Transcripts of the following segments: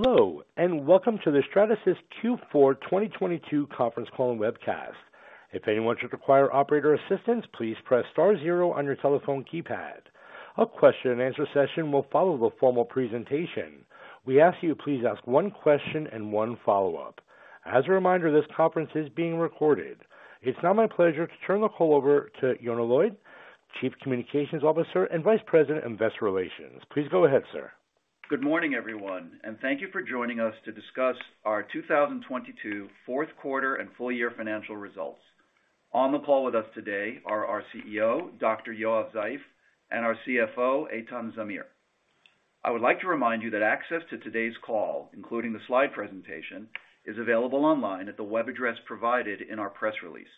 Hello, welcome to the Stratasys Q4 2022 conference call and webcast. If anyone should require operator assistance, please press star zero on your telephone keypad. A question-and-answer session will follow the formal presentation. We ask you please ask one question and one follow-up. As a reminder, this conference is being recorded. It's now my pleasure to turn the call over to Yonah Lloyd, Chief Communications Officer and Vice President Investor Relations. Please go ahead, sir. Good morning, everyone, and thank you for joining us to discuss our 2022 fourth quarter and full year financial results. On the call with us today are our CEO, Dr. Yoav Zeif, and our CFO, Eitan Zamir. I would like to remind you that access to today's call, including the slide presentation, is available online at the web address provided in our press release.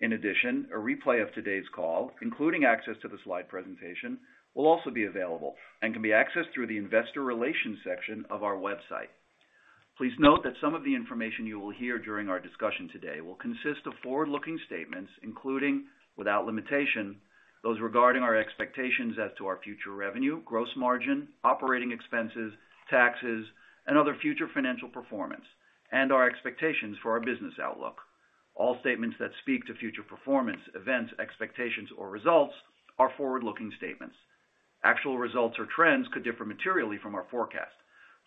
In addition, a replay of today's call, including access to the slide presentation, will also be available and can be accessed through the investor relations section of our website. Please note that some of the information you will hear during our discussion today will consist of forward-looking statements, including, without limitation, those regarding our expectations as to our future revenue, gross margin, operating expenses, taxes, and other future financial performance, and our expectations for our business outlook. All statements that speak to future performance, events, expectations, or results are forward-looking statements. Actual results or trends could differ materially from our forecast.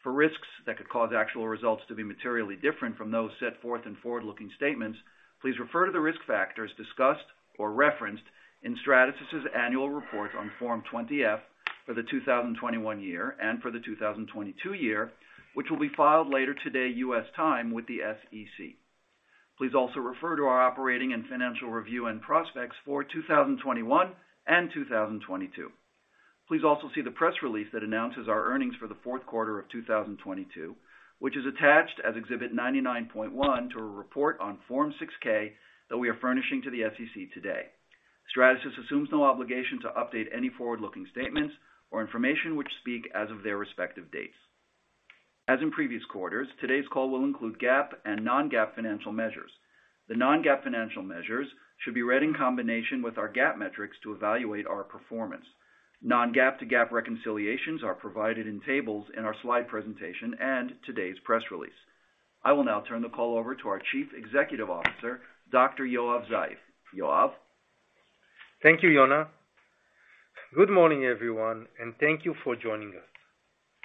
For risks that could cause actual results to be materially different from those set forth in forward-looking statements, please refer to the risk factors discussed or referenced in Stratasys' annual report on Form 20-F for the 2021 year and for the 2022 year, which will be filed later today, U.S. time, with the SEC. Please also refer to our operating and financial review and prospects for 2021 and 2022. Please also see the press release that announces our earnings for the fourth quarter of 2022, which is attached as Exhibit 99.1 to a report on Form 6-K that we are furnishing to the SEC today. Stratasys assumes no obligation to update any forward-looking statements or information which speak as of their respective dates. As in previous quarters, today's call will include GAAP and non-GAAP financial measures. The non-GAAP financial measures should be read in combination with our GAAP metrics to evaluate our performance. Non-GAAP to GAAP reconciliations are provided in tables in our slide presentation and today's press release. I will now turn the call over to our Chief Executive Officer, Dr. Yoav Zeif. Yoav? Thank you, Yonah. Good morning, everyone, thank you for joining us.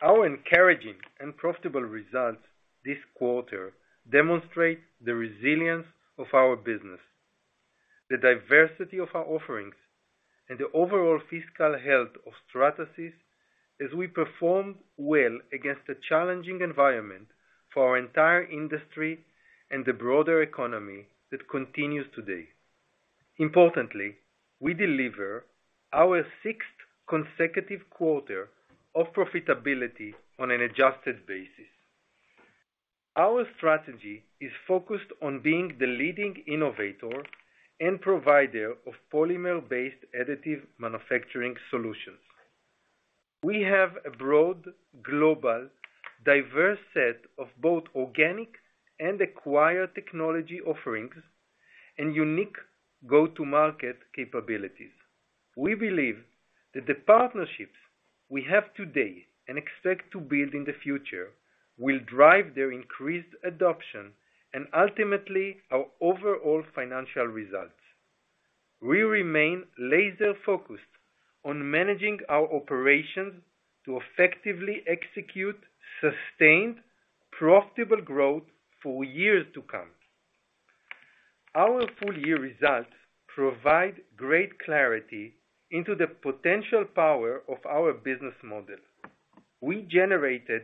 Our encouraging and profitable results this quarter demonstrate the resilience of our business, the diversity of our offerings, and the overall fiscal health of Stratasys as we perform well against a challenging environment for our entire industry and the broader economy that continues today. Importantly, we deliver our sixth consecutive quarter of profitability on an adjusted basis. Our strategy is focused on being the leading innovator and provider of polymer-based additive manufacturing solutions. We have a broad, global, diverse set of both organic and acquired technology offerings and unique go-to-market capabilities. We believe that the partnerships we have today and expect to build in the future will drive their increased adoption and ultimately our overall financial results. We remain laser-focused on managing our operations to effectively execute sustained, profitable growth for years to come. Our full year results provide great clarity into the potential power of our business model. We generated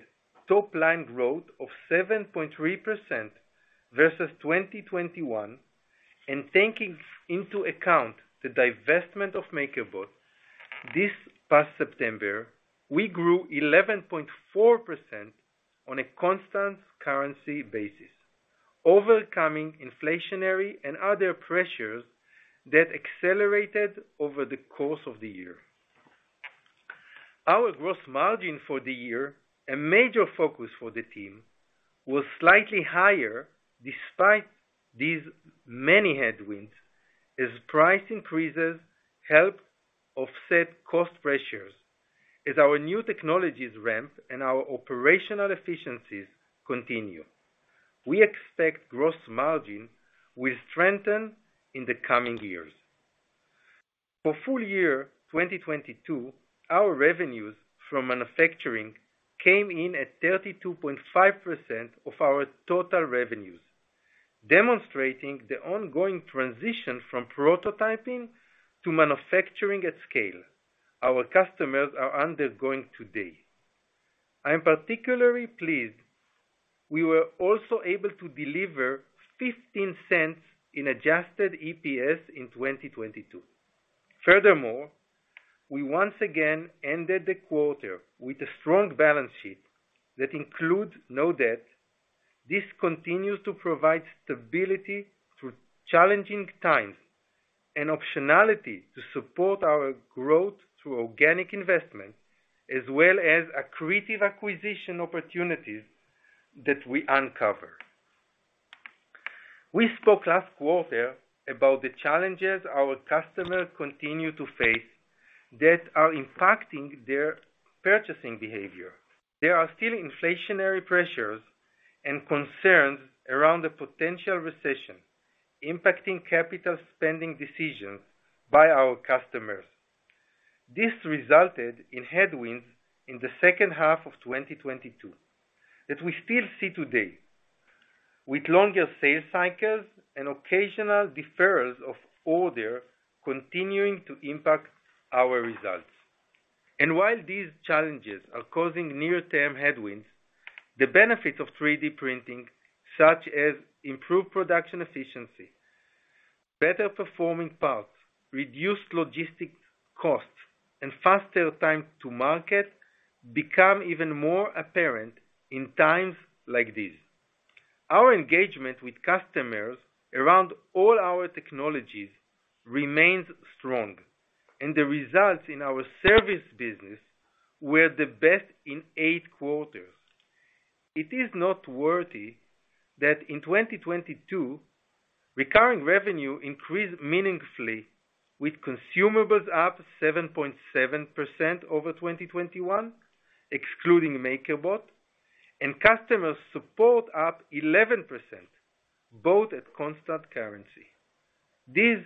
top line growth of 7.3% versus 2021, Taking into account the divestment of MakerBot this past September, we grew 11.4% on a constant currency basis, overcoming inflationary and other pressures that accelerated over the course of the year. Our gross margin for the year, a major focus for the team, was slightly higher despite these many headwinds, as price increases helped offset cost pressures as our new technologies ramp and our operational efficiencies continue. We expect gross margin will strengthen in the coming years. For full year 2022, our revenues from manufacturing came in at 32.5% of our total revenues, demonstrating the ongoing transition from prototyping to manufacturing at scale our customers are undergoing today. I am particularly pleased we were also able to deliver $0.15 in adjusted EPS in 2022. We once again ended the quarter with a strong balance sheet that includes no debt. This continues to provide stability through challenging times and optionality to support our growth through organic investment, as well as accretive acquisition opportunities that we uncover. We spoke last quarter about the challenges our customers continue to face that are impacting their purchasing behavior. There are still inflationary pressures and concerns around the potential recession, impacting capital spending decisions by our customers. This resulted in headwinds in the second half of 2022, that we still see today, with longer sales cycles and occasional deferrals of order continuing to impact our results. While these challenges are causing near-term headwinds, the benefits of 3D printing, such as improved production efficiency, better performing parts, reduced logistics costs, and faster time to market become even more apparent in times like these. Our engagement with customers around all our technologies remains strong, and the results in our service business were the best in 8 quarters. It is noteworthy that in 2022, recurring revenue increased meaningfully with consumables up 7.7% over 2021, excluding MakerBot, and customer support up 11%, both at constant currency. This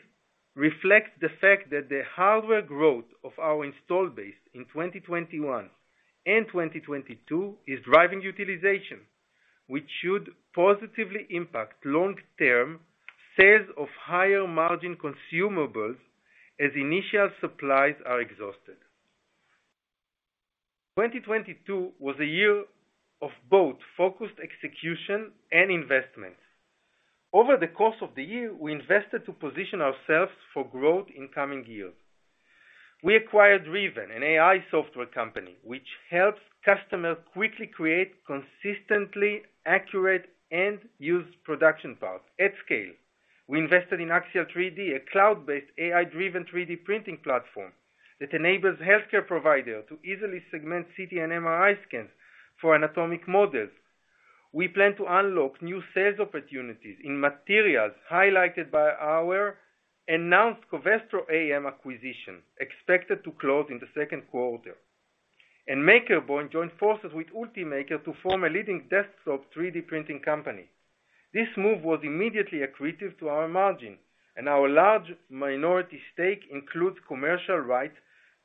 reflects the fact that the hardware growth of our installed base in 2021 and 2022 is driving utilization, which should positively impact long-term sales of higher margin consumables as initial supplies are exhausted. 2022 was a year of both focused execution and investments. Over the course of the year, we invested to position ourselves for growth in coming years. We acquired Riven, an AI software company, which helps customers quickly create consistently accurate and used production parts at scale. We invested in Axial3D, a cloud-based AI-driven 3D printing platform that enables healthcare providers to easily segment CT and MRI scans for anatomic models. We plan to unlock new sales opportunities in materials highlighted by our announced Covestro AM acquisition, expected to close in the second quarter. MakerBot joined forces with Ultimaker to form a leading desktop 3D printing company. This move was immediately accretive to our margin, and our large minority stake includes commercial rights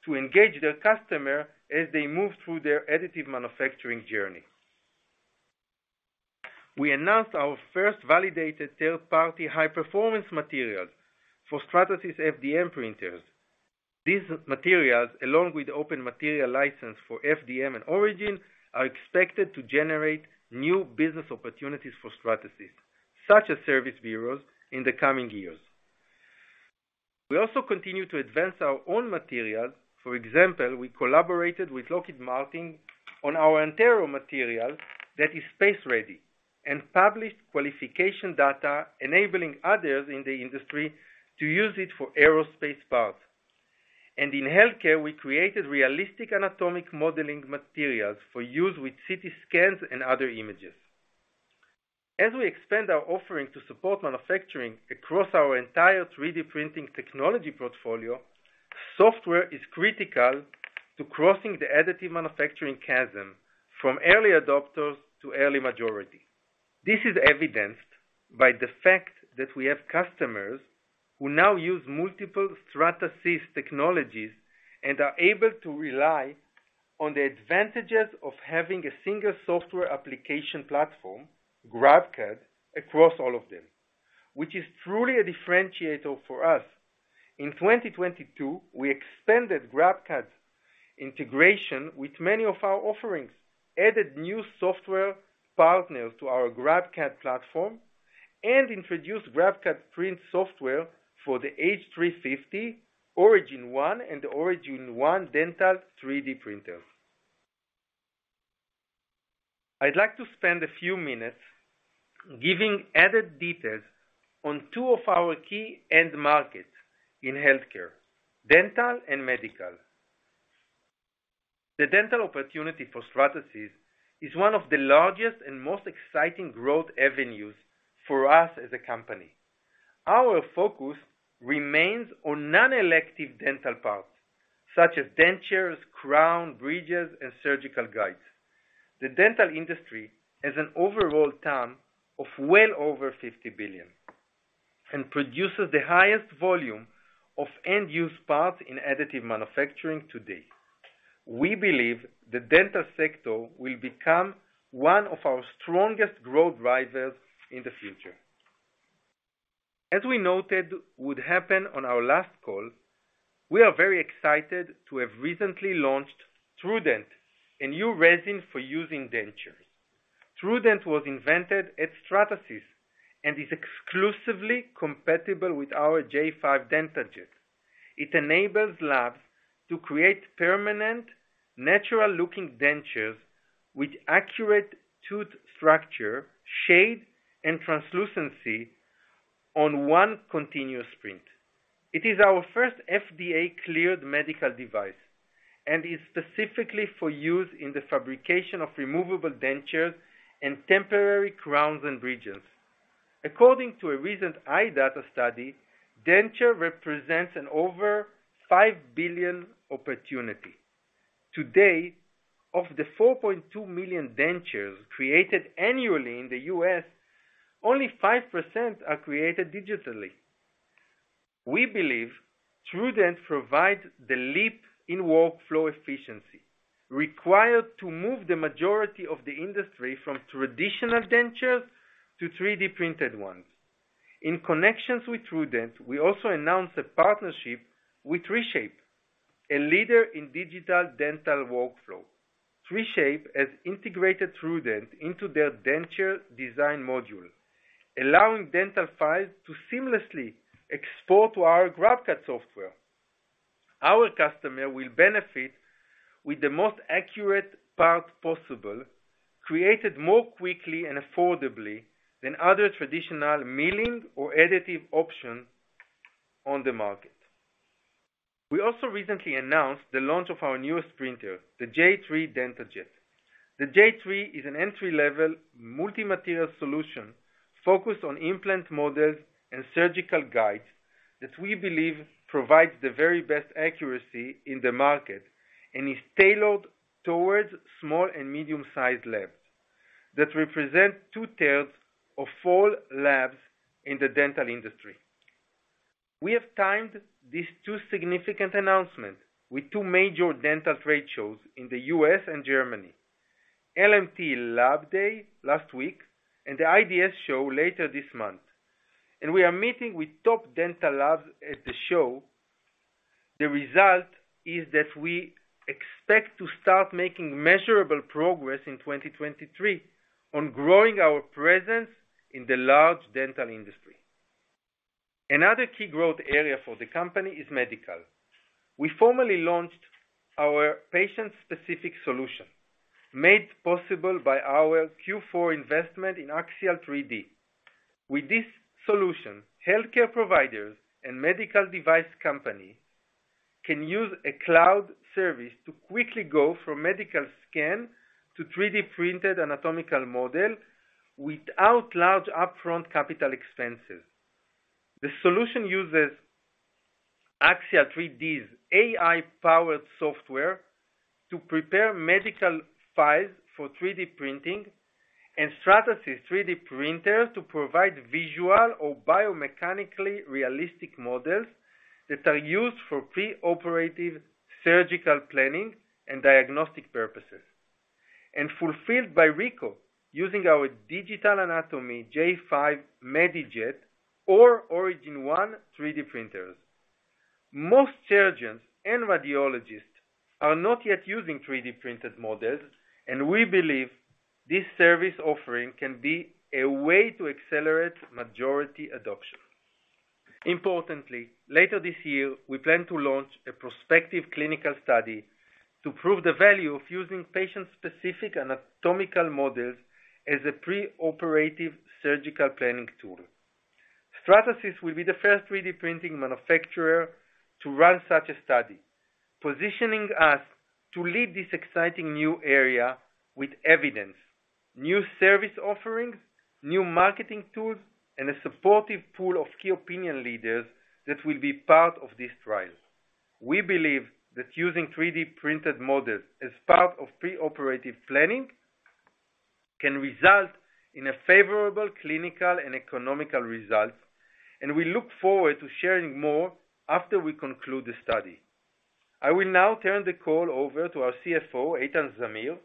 to engage their customer as they move through their additive manufacturing journey. We announced our first validated third-party high-performance materials for Stratasys FDM printers. These materials, along with open material license for FDM and Origin, are expected to generate new business opportunities for Stratasys, such as service bureaus in the coming years. We also continue to advance our own material. For example, we collaborated with Lockheed Martin on our Antero material that is space ready and published qualification data, enabling others in the industry to use it for aerospace parts. In healthcare, we created realistic anatomic modeling materials for use with CT scans and other images. As we expand our offering to support manufacturing across our entire 3D printing technology portfolio, software is critical to crossing the additive manufacturing chasm from early adopters to early majority. This is evidenced by the fact that we have customers who now use multiple Stratasys technologies and are able to rely on the advantages of having a single software application platform, GrabCAD, across all of them, which is truly a differentiator for us. In 2022, we expanded GrabCAD integration with many of our offerings, added new software partners to our GrabCAD platform, and introduced GrabCAD print software for the F450, Origin One, and Origin One Dental 3D printer. I'd like to spend a few minutes giving added details on two of our key end markets in healthcare, dental and medical. The dental opportunity for Stratasys is one of the largest and most exciting growth avenues for us as a company. Our focus remains on non-elective dental parts, such as dentures, crown, bridges, and surgical guides. The dental industry has an overall TAM of well over $50 billion, and produces the highest volume of end-use parts in additive manufacturing to date. We believe the dental sector will become one of our strongest growth drivers in the future. As we noted would happen on our last call, we are very excited to have recently launched TrueDent, a new resin for using dentures. TrueDent was invented at Stratasys and is exclusively compatible with our J5 DentaJet. It enables labs to create permanent natural-looking dentures with accurate tooth structure, shade, and translucency on one continuous print. It is our first FDA cleared medical device and is specifically for use in the fabrication of removable dentures and temporary crowns and bridges. According to a recent iData study, denture represents an over $5 billion opportunity. Today, of the 4.2 million dentures created annually in the US, only 5% are created digitally. We believe TrueDent provides the leap in workflow efficiency required to move the majority of the industry from traditional dentures to 3D-printed ones. In connections with TrueDent, we also announced a partnership with 3Shape, a leader in digital dental workflow. 3Shape has integrated TrueDent into their denture design module, allowing dental files to seamlessly export to our GrabCAD software. Our customer will benefit with the most accurate part possible, created more quickly and affordably than other traditional milling or additive option on the market. We also recently announced the launch of our newest printer, the J3 DentaJet. The J3 is an entry-level multi-material solution focused on implant models and surgical guides that we believe provides the very best accuracy in the market, is tailored towards small and medium-sized labs that represent 2/3 of all labs in the dental industry. We have timed these two significant announcements with two major dental trade shows in the U.S. and Germany, LMT Lab Day last week, and the IDS show later this month. We are meeting with top dental labs at the show. The result is that we expect to start making measurable progress in 2023 on growing our presence in the large dental industry. Another key growth area for the company is medical. We formally launched our patient-specific solution, made possible by our Q4 investment in Axial3D. With this solution, healthcare providers and medical device companies can use a cloud service to quickly go from medical scan to 3D-printed anatomical model without large upfront capital expenses. The solution uses Axial3D's AI-powered software to prepare medical files for 3D printing, and Stratasys 3D printer to provide visual or biomechanically realistic models that are used for pre-operative surgical planning and diagnostic purposes, and fulfilled by RICOH using our digital anatomy J5 MediJet or Origin One 3D printers. Most surgeons and radiologists are not yet using 3D-printed models, and we believe this service offering can be a way to accelerate majority adoption. Importantly, later this year, we plan to launch a prospective clinical study to prove the value of using patient-specific anatomical models as a pre-operative surgical planning tool. Stratasys will be the first 3D printing manufacturer to run such a study, positioning us to lead this exciting new area with evidence, new service offerings, new marketing tools, and a supportive pool of key opinion leaders that will be part of this trial. We believe that using 3D-printed models as part of pre-operative planning can result in a favorable clinical and economical result, we look forward to sharing more after we conclude the study. I will now turn the call over to our CFO, Eitan Zamir,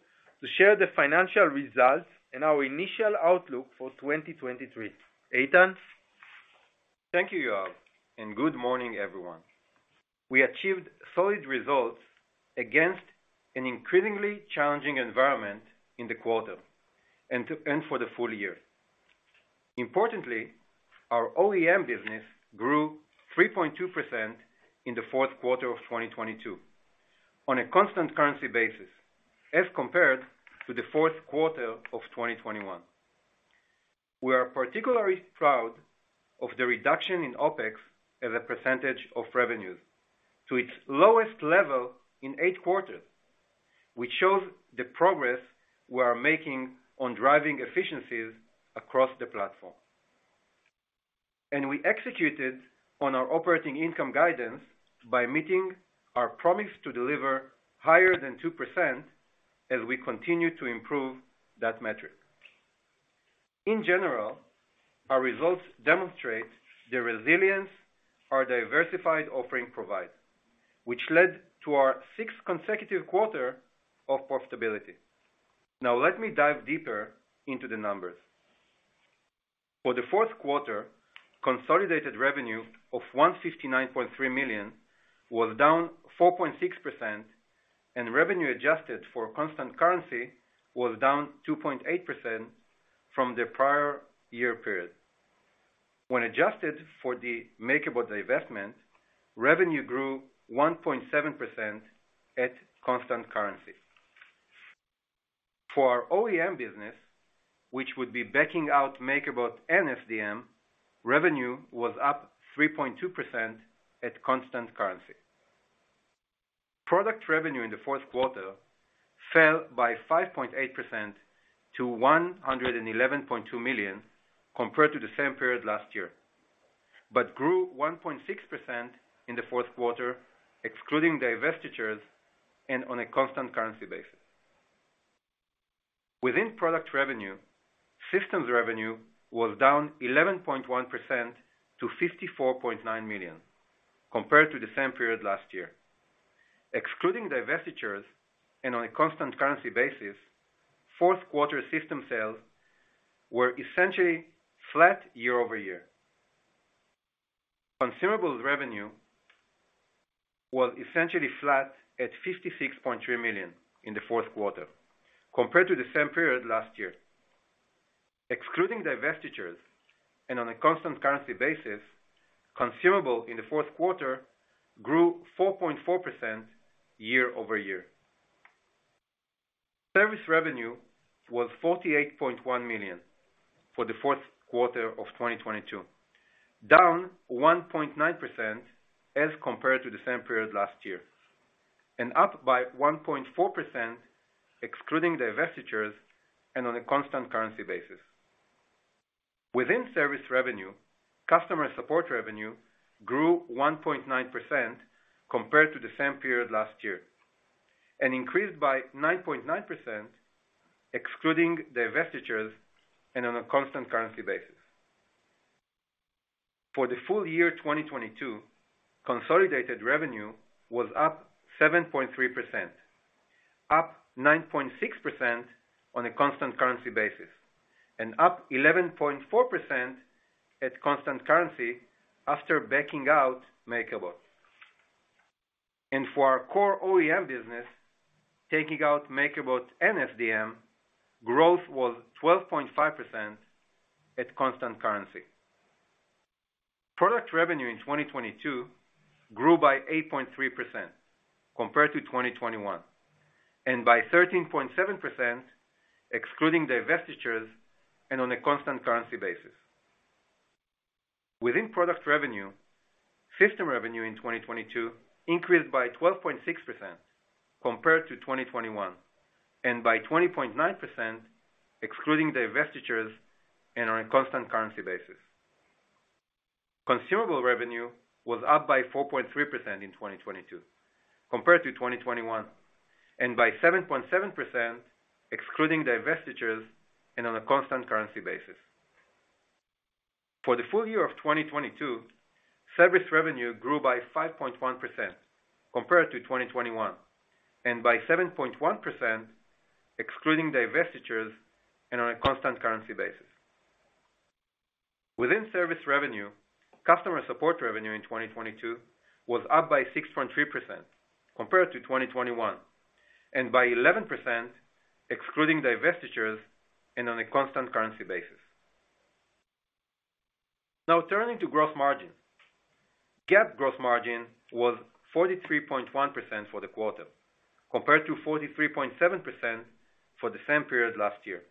to share the financial results and our initial outlook for 2023. Eitan? Thank you, Yoav. Good morning, everyone. We achieved solid results against an increasingly challenging environment in the quarter and for the full year. Importantly, our OEM business grew 3.2% in the fourth quarter of 2022 on a constant currency basis as compared to the fourth quarter of 2021. We are particularly proud of the reduction in OpEx as a percentage of revenues to its lowest level in eight quarters, which shows the progress we are making on driving efficiencies across the platform. We executed on our operating income guidance by meeting our promise to deliver higher than 2% as we continue to improve that metric. In general, our results demonstrate the resilience our diversified offering provides, which led to our sixth consecutive quarter of profitability. Let me dive deeper into the numbers. For the fourth quarter, consolidated revenue of $159.3 million was down 4.6%, revenue adjusted for constant currency was down 2.8% from the prior year period. When adjusted for the MakerBot divestment, revenue grew 1.7% at constant currency. For our OEM business, which would be backing out MakerBot and FDM, revenue was up 3.2% at constant currency. Product revenue in the fourth quarter fell by 5.8% to $111.2 million compared to the same period last year, grew 1.6% in the fourth quarter, excluding divestitures and on a constant currency basis. Within product revenue, systems revenue was down 11.1% to $54.9 million compared to the same period last year. Excluding divestitures and on a constant currency basis, fourth quarter system sales were essentially flat year-over-year. Consumables revenue was essentially flat at $56.3 million in the fourth quarter compared to the same period last year. Excluding divestitures and on a constant currency basis, consumable in the fourth quarter grew 4.4% year-over-year. Service revenue was $48.1 million for the fourth quarter of 2022, down 1.9% as compared to the same period last year, and up by 1.4% excluding divestitures and on a constant currency basis. Within service revenue, customer support revenue grew 1.9% compared to the same period last year, and increased by 9.9% excluding divestitures and on a constant currency basis. For the full year 2022, consolidated revenue was up 7.3%, up 9.6% on a constant currency basis, and up 11.4% at constant currency after backing out MakerBot. For our core OEM business, taking out MakerBot and FDM, growth was 12.5% at constant currency. Product revenue in 2022 grew by 8.3% compared to 2021, and by 13.7% excluding divestitures and on a constant currency basis. Within product revenue, system revenue in 2022 increased by 12.6% compared to 2021, and by 20.9% excluding divestitures and on a constant currency basis. Consumable revenue was up by 4.3% in 2022 compared to 2021, and by 7.7% excluding divestitures and on a constant currency basis. For the full year of 2022, service revenue grew by 5.1% compared to 2021, and by 7.1% excluding divestitures and on a constant currency basis. Within service revenue, customer support revenue in 2022 was up by 6.3% compared to 2021, and by 11% excluding divestitures and on a constant currency basis. Turning to gross margin. GAAP gross margin was 43.1% for the quarter, compared to 43.7% for the same period last year.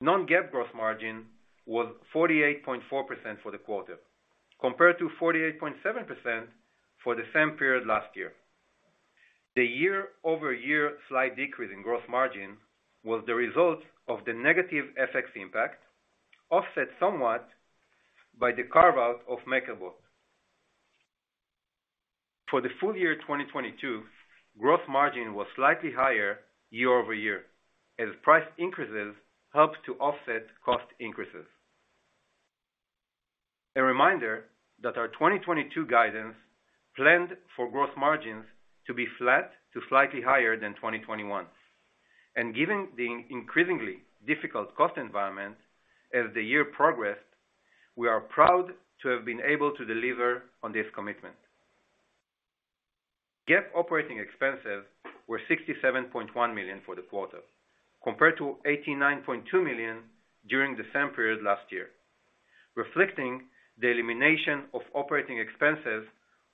Non-GAAP gross margin was 48.4% for the quarter, compared to 48.7% for the same period last year. The year-over-year slight decrease in gross margin was the result of the negative FX impact, offset somewhat by the carve-out of MakerBot. For the full year 2022, gross margin was slightly higher year-over-year, as price increases helped to offset cost increases. A reminder that our 2022 guidance planned for gross margins to be flat to slightly higher than 2021. Given the increasingly difficult cost environment as the year progressed, we are proud to have been able to deliver on this commitment. GAAP operating expenses were $67.1 million for the quarter, compared to $89.2 million during the same period last year, reflecting the elimination of operating expenses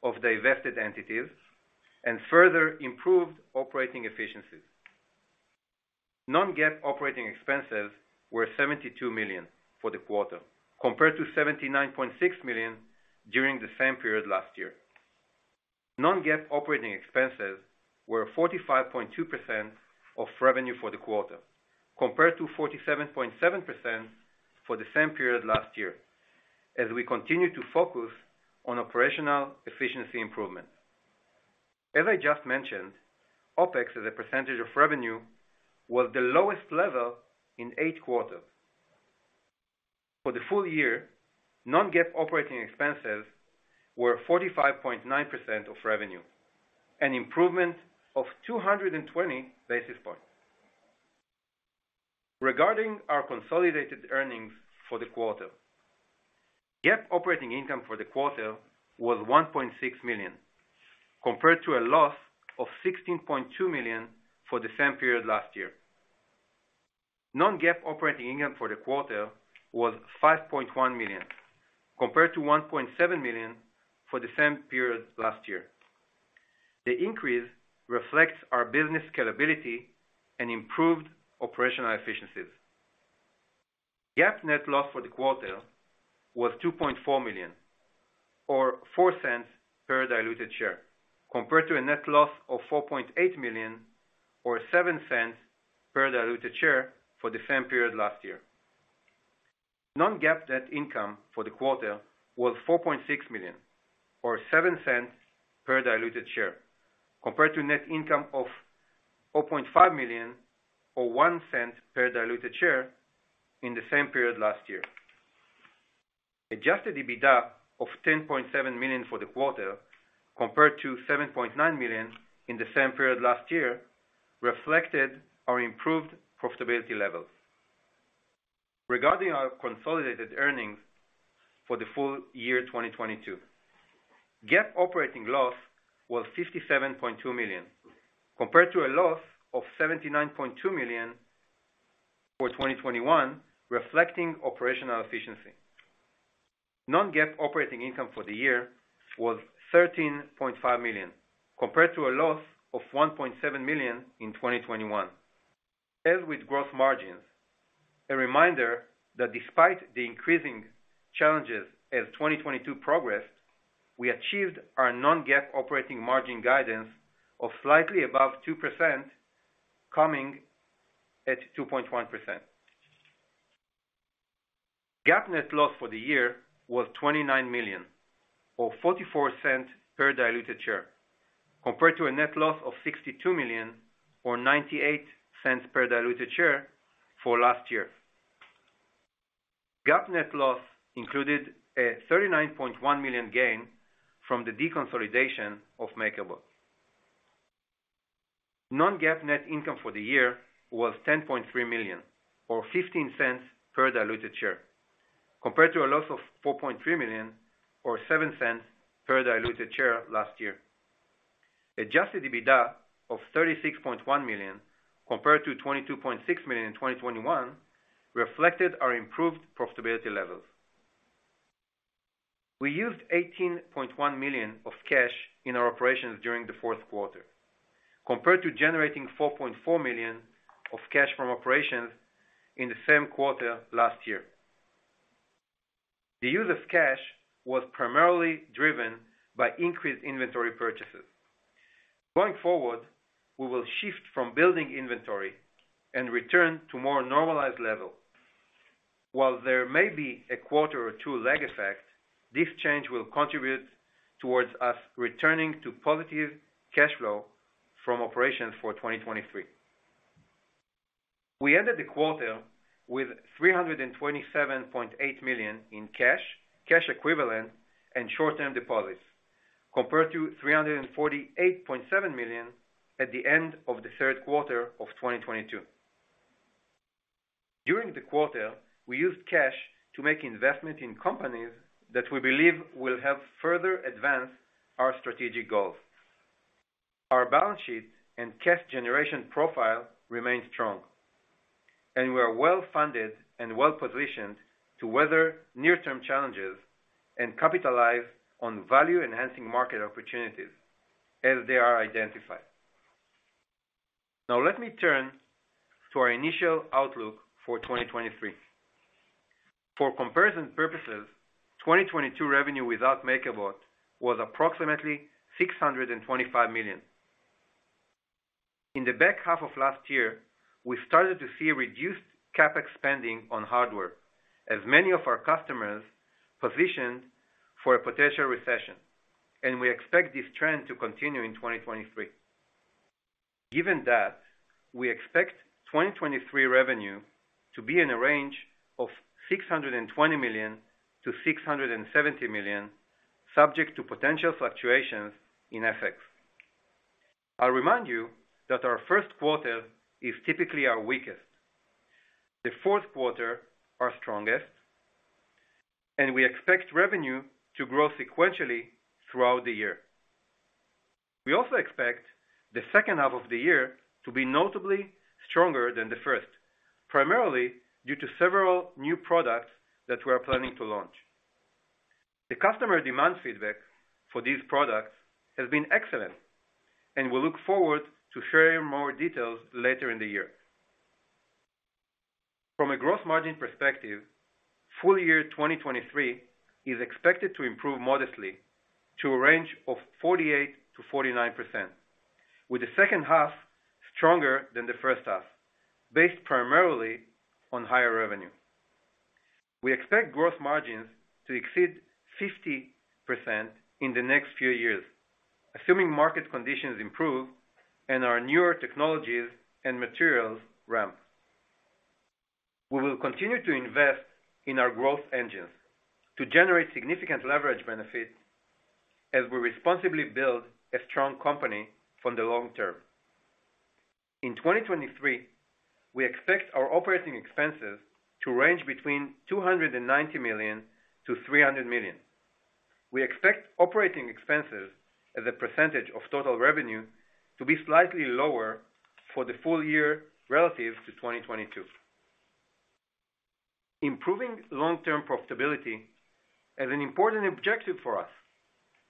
of divested entities and further improved operating efficiencies. Non-GAAP operating expenses were $72 million for the quarter, compared to $79.6 million during the same period last year. non-GAAP operating expenses were 45.2% of revenue for the quarter, compared to 47.7% for the same period last year, as we continue to focus on operational efficiency improvements. As I just mentioned, OpEx as a percentage of revenue was the lowest level in 8 quarters. For the full year, non-GAAP operating expenses were 45.9% of revenue, an improvement of 220 basis points. Regarding our consolidated earnings for the quarter, GAAP operating income for the quarter was $1.6 million, compared to a loss of $16.2 million for the same period last year. non-GAAP operating income for the quarter was $5.1 million, compared to $1.7 million for the same period last year. The increase reflects our business scalability and improved operational efficiencies. GAAP net loss for the quarter was $2.4 million or $0.04 per diluted share, compared to a net loss of $4.8 million or $0.07 per diluted share for the same period last year. Non-GAAP net income for the quarter was $4.6 million or $0.07 per diluted share, compared to net income of $4.5 million or $0.01 per diluted share in the same period last year. Adjusted EBITDA of $10.7 million for the quarter, compared to $7.9 million in the same period last year, reflected our improved profitability levels. Regarding our consolidated earnings for the full year 2022, GAAP operating loss was $57.2 million, compared to a loss of $79.2 million for 2021, reflecting operational efficiency. Non-GAAP operating income for the year was $13.5 million, compared to a loss of $1.7 million in 2021. As with gross margins, a reminder that despite the increasing challenges as 2022 progressed, we achieved our non-GAAP operating margin guidance of slightly above 2%, coming at 2.1%. GAAP net loss for the year was $29 million or $0.44 per diluted share, compared to a net loss of $62 million or $0.98 per diluted share for last year. GAAP net loss included a $39.1 million gain from the deconsolidation of MakerBot. Non-GAAP net income for the year was $10.3 million or $0.15 per diluted share, compared to a loss of $4.3 million or $0.07 per diluted share last year. Adjusted EBITDA of $36.1 million, compared to $22.6 million in 2021, reflected our improved profitability levels. We used $18.1 million of cash in our operations during the fourth quarter, compared to generating $4.4 million of cash from operations in the same quarter last year. The use of cash was primarily driven by increased inventory purchases. Going forward, we will shift from building inventory and return to more normalized level. While there may be a quarter or two lag effect, this change will contribute towards us returning to positive cash flow from operations for 2023. We ended the quarter with $327.8 million in cash equivalent and short-term deposits, compared to $348.7 million at the end of the third quarter of 2022. During the quarter, we used cash to make investments in companies that we believe will help further advance our strategic goals. Our balance sheet and cash generation profile remains strong. We are well-funded and well-positioned to weather near-term challenges and capitalize on value-enhancing market opportunities as they are identified. Let me turn to our initial outlook for 2023. For comparison purposes, 2022 revenue without MakerBot was approximately $625 million. In the back half of last year, we started to see reduced CapEx spending on hardware as many of our customers positioned for a potential recession. We expect this trend to continue in 2023. Given that, we expect 2023 revenue to be in a range of $620 million-$670 million, subject to potential fluctuations in FX. I'll remind you that our first quarter is typically our weakest, the fourth quarter our strongest, and we expect revenue to grow sequentially throughout the year. We also expect the second half of the year to be notably stronger than the first, primarily due to several new products that we are planning to launch. The customer demand feedback for these products has been excellent, and we look forward to sharing more details later in the year. From a gross margin perspective, full year 2023 is expected to improve modestly to a range of 48%-49%, with the second half stronger than the first half, based primarily on higher revenue. We expect gross margins to exceed 50% in the next few years, assuming market conditions improve and our newer technologies and materials ramp. We will continue to invest in our growth engines to generate significant leverage benefits as we responsibly build a strong company for the long term. In 2023, we expect our operating expenses to range between $290 million-$300 million. We expect operating expenses as a percentage of total revenue to be slightly lower for the full year relative to 2022. Improving long-term profitability is an important objective for us,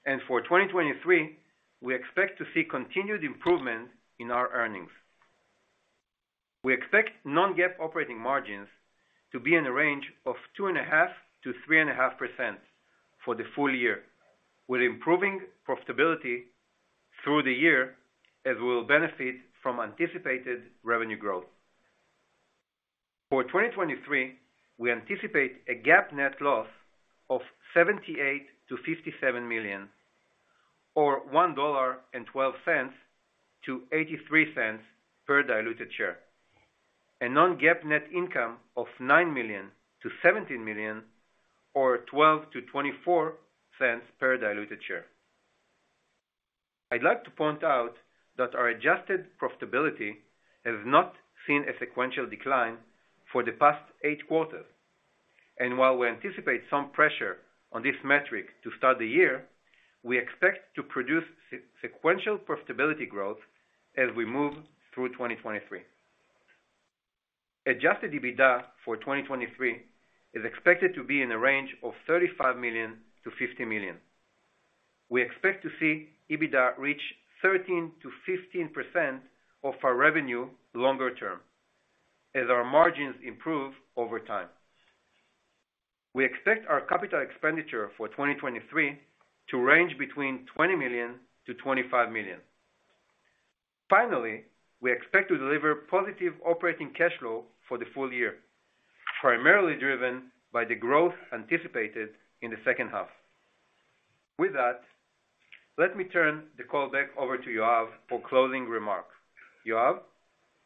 and for 2023, we expect to see continued improvement in our earnings. We expect non-GAAP operating margins to be in the range of 2.5%-3.5% for the full year, with improving profitability through the year as we'll benefit from anticipated revenue growth. For 2023, we anticipate a GAAP net loss of $78 million-$57 million or $1.12-$0.83 per diluted share. A non-GAAP net income of $9 million-$17 million or $0.12-$0.24 per diluted share. I'd like to point out that our adjusted profitability has not seen a sequential decline for the past 8 quarters. While we anticipate some pressure on this metric to start the year, we expect to produce sequential profitability growth as we move through 2023. Adjusted EBITDA for 2023 is expected to be in a range of $35 million-$50 million. We expect to see EBITDA reach 13%-15% of our revenue longer term as our margins improve over time. We expect our capital expenditure for 2023 to range between $20 million-$25 million. We expect to deliver positive operating cash flow for the full year, primarily driven by the growth anticipated in the second half. With that, let me turn the call back over to Yoav for closing remarks. Yoav?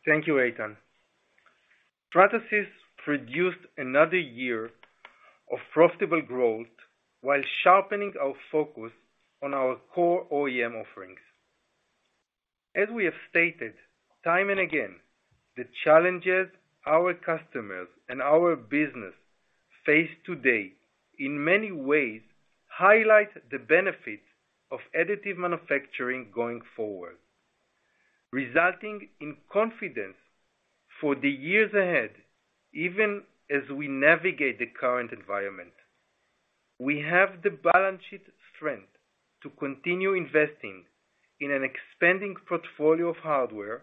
Thank you, Eitan. Stratasys produced another year of profitable growth while sharpening our focus on our core OEM offerings. As we have stated time and again, the challenges our customers and our business face today, in many ways, highlight the benefit of additive manufacturing going forward, resulting in confidence for the years ahead, even as we navigate the current environment. We have the balance sheet strength to continue investing in an expanding portfolio of hardware,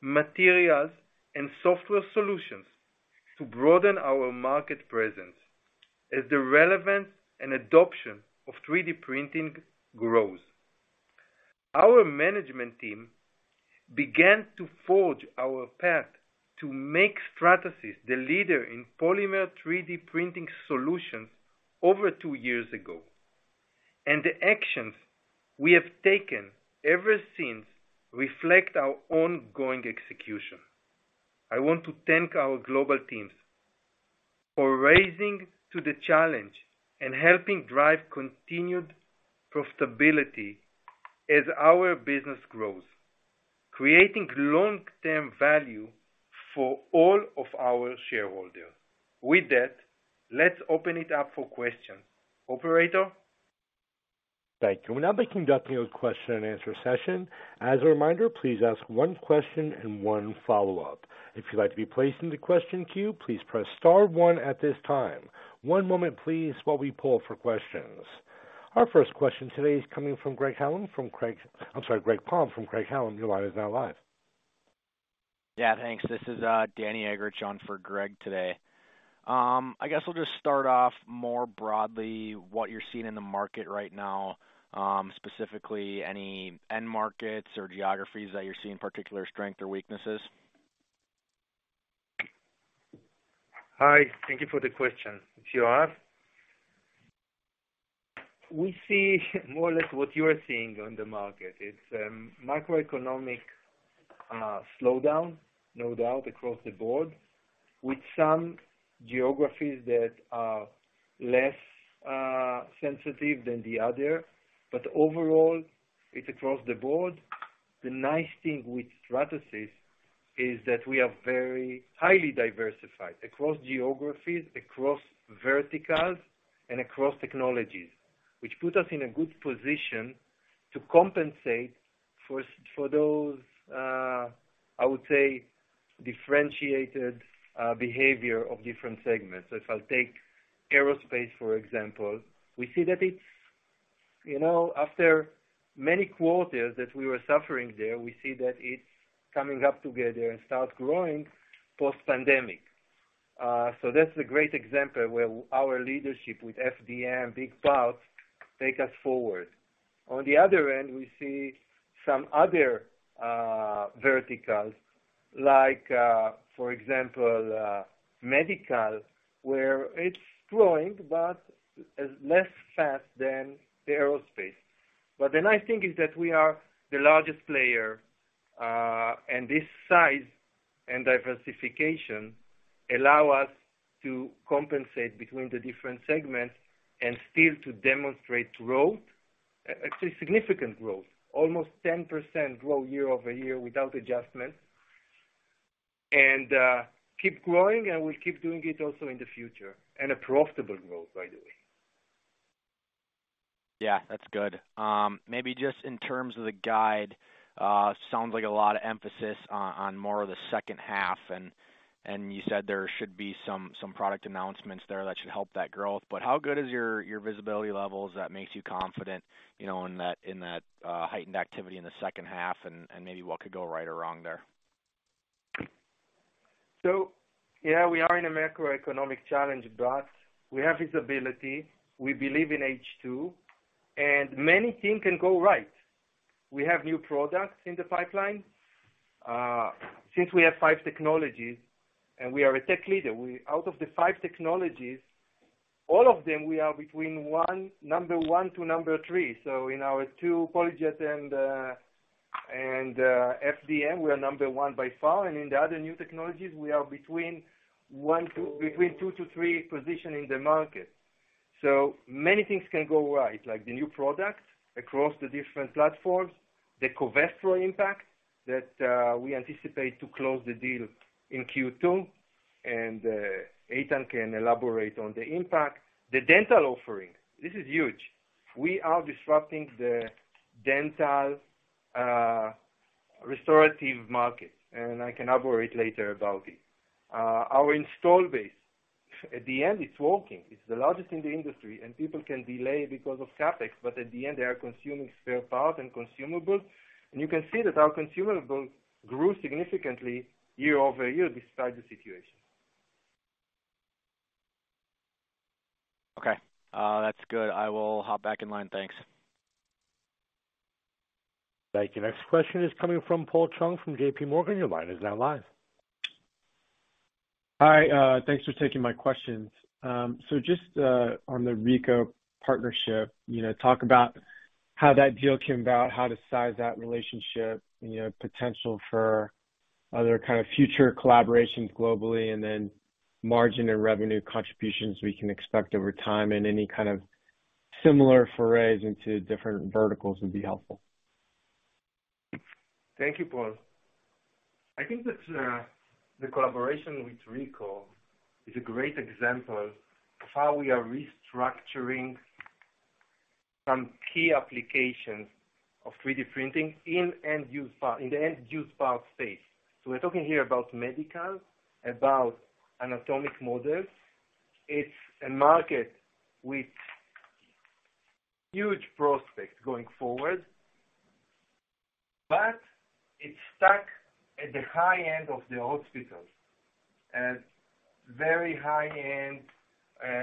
materials and software solutions to broaden our market presence as the relevance and adoption of 3D printing grows. Our management team began to forge our path to make Stratasys the leader in polymer 3D printing solutions over 2 years ago, and the actions we have taken ever since reflect our ongoing execution. I want to thank our global teams for rising to the challenge and helping drive continued profitability as our business grows, creating long-term value for all of our shareholders. With that, let's open it up for questions. Operator? Thank you. We'll now be conducting a question-and-answer session. As a reminder, please ask one question and one follow-up. If you'd like to be placed in the question queue, please press star one at this time. One moment please, while we pull for questions. Our first question today is coming from Greg Palm, from Craig-Hallum. Your line is now live. Yeah, thanks. This is Danny Eggerichs on for Greg today. I guess I'll just start off more broadly, what you're seeing in the market right now, specifically any end markets or geographies that you're seeing particular strength or weaknesses. Hi, thank you for the question. It's Yoav. We see more or less what you are seeing on the market. It's macroeconomic slowdown, no doubt, across the board, with some geographies that are less sensitive than the other. Overall, it's across the board. The nice thing with Stratasys is that we are very highly diversified across geographies, across verticals, and across technologies, which put us in a good position to compensate for those, I would say, differentiated behavior of different segments. If I'll take aerospace, for example, we see that it's, you know, after many quarters that we were suffering there, we see that it's coming up together and start growing post-pandemic. That's a great example where our leadership with FDM, Big Parts, take us forward. On the other end, we see some other verticals, like for example, medical, where it's growing but is less fast than the aerospace. The nice thing is that we are the largest player, and this size and diversification allow us to compensate between the different segments and still to demonstrate growth. Actually significant growth, almost 10% growth year-over-year without adjustment. Keep growing, and we'll keep doing it also in the future, and a profitable growth, by the way. Yeah, that's good. Maybe just in terms of the guide, sounds like a lot of emphasis on more of the second half, and you said there should be some product announcements there that should help that growth. How good is your visibility levels that makes you confident, you know, in that heightened activity in the second half, and maybe what could go right or wrong there? Yeah, we are in a macroeconomic challenge, but we have visibility. We believe in H2, and many things can go right. We have new products in the pipeline. Since we have five technologies, and we are a tech leader, out of the five technologies, all of them, we are number one to number three. In our two PolyJet and FDM, we are number one by far. And in the other new technologies, we are between two to three position in the market. Many things can go right, like the new products across the different platforms, the Covestro impact that we anticipate to close the deal in Q2, and Eitan can elaborate on the impact. The dental offering, this is huge. We are disrupting the dental restorative market, and I can elaborate later about it. Our install base. At the end, it's working. It's the largest in the industry, and people can delay because of CapEx, but at the end, they are consuming spare parts and consumables. You can see that our consumable grew significantly year-over-year despite the situation. Okay. That's good. I will hop back in line. Thanks. Thank you. Next question is coming from Paul Chung from JPMorgan. Your line is now live. Hi. Thanks for taking my questions. Just on the RICOH partnership, you know, talk about how that deal came about, how to size that relationship, you know, potential for other kind of future collaborations globally, and then margin and revenue contributions we can expect over time, and any kind of similar forays into different verticals would be helpful? Thank you, Paul. I think that the collaboration with RICOH is a great example of how we are restructuring some key applications of 3D printing in the end use part space. We're talking here about medical, about anatomical models. It's a market with huge prospects going forward, but it's stuck at the high-end of the hospitals and very high-end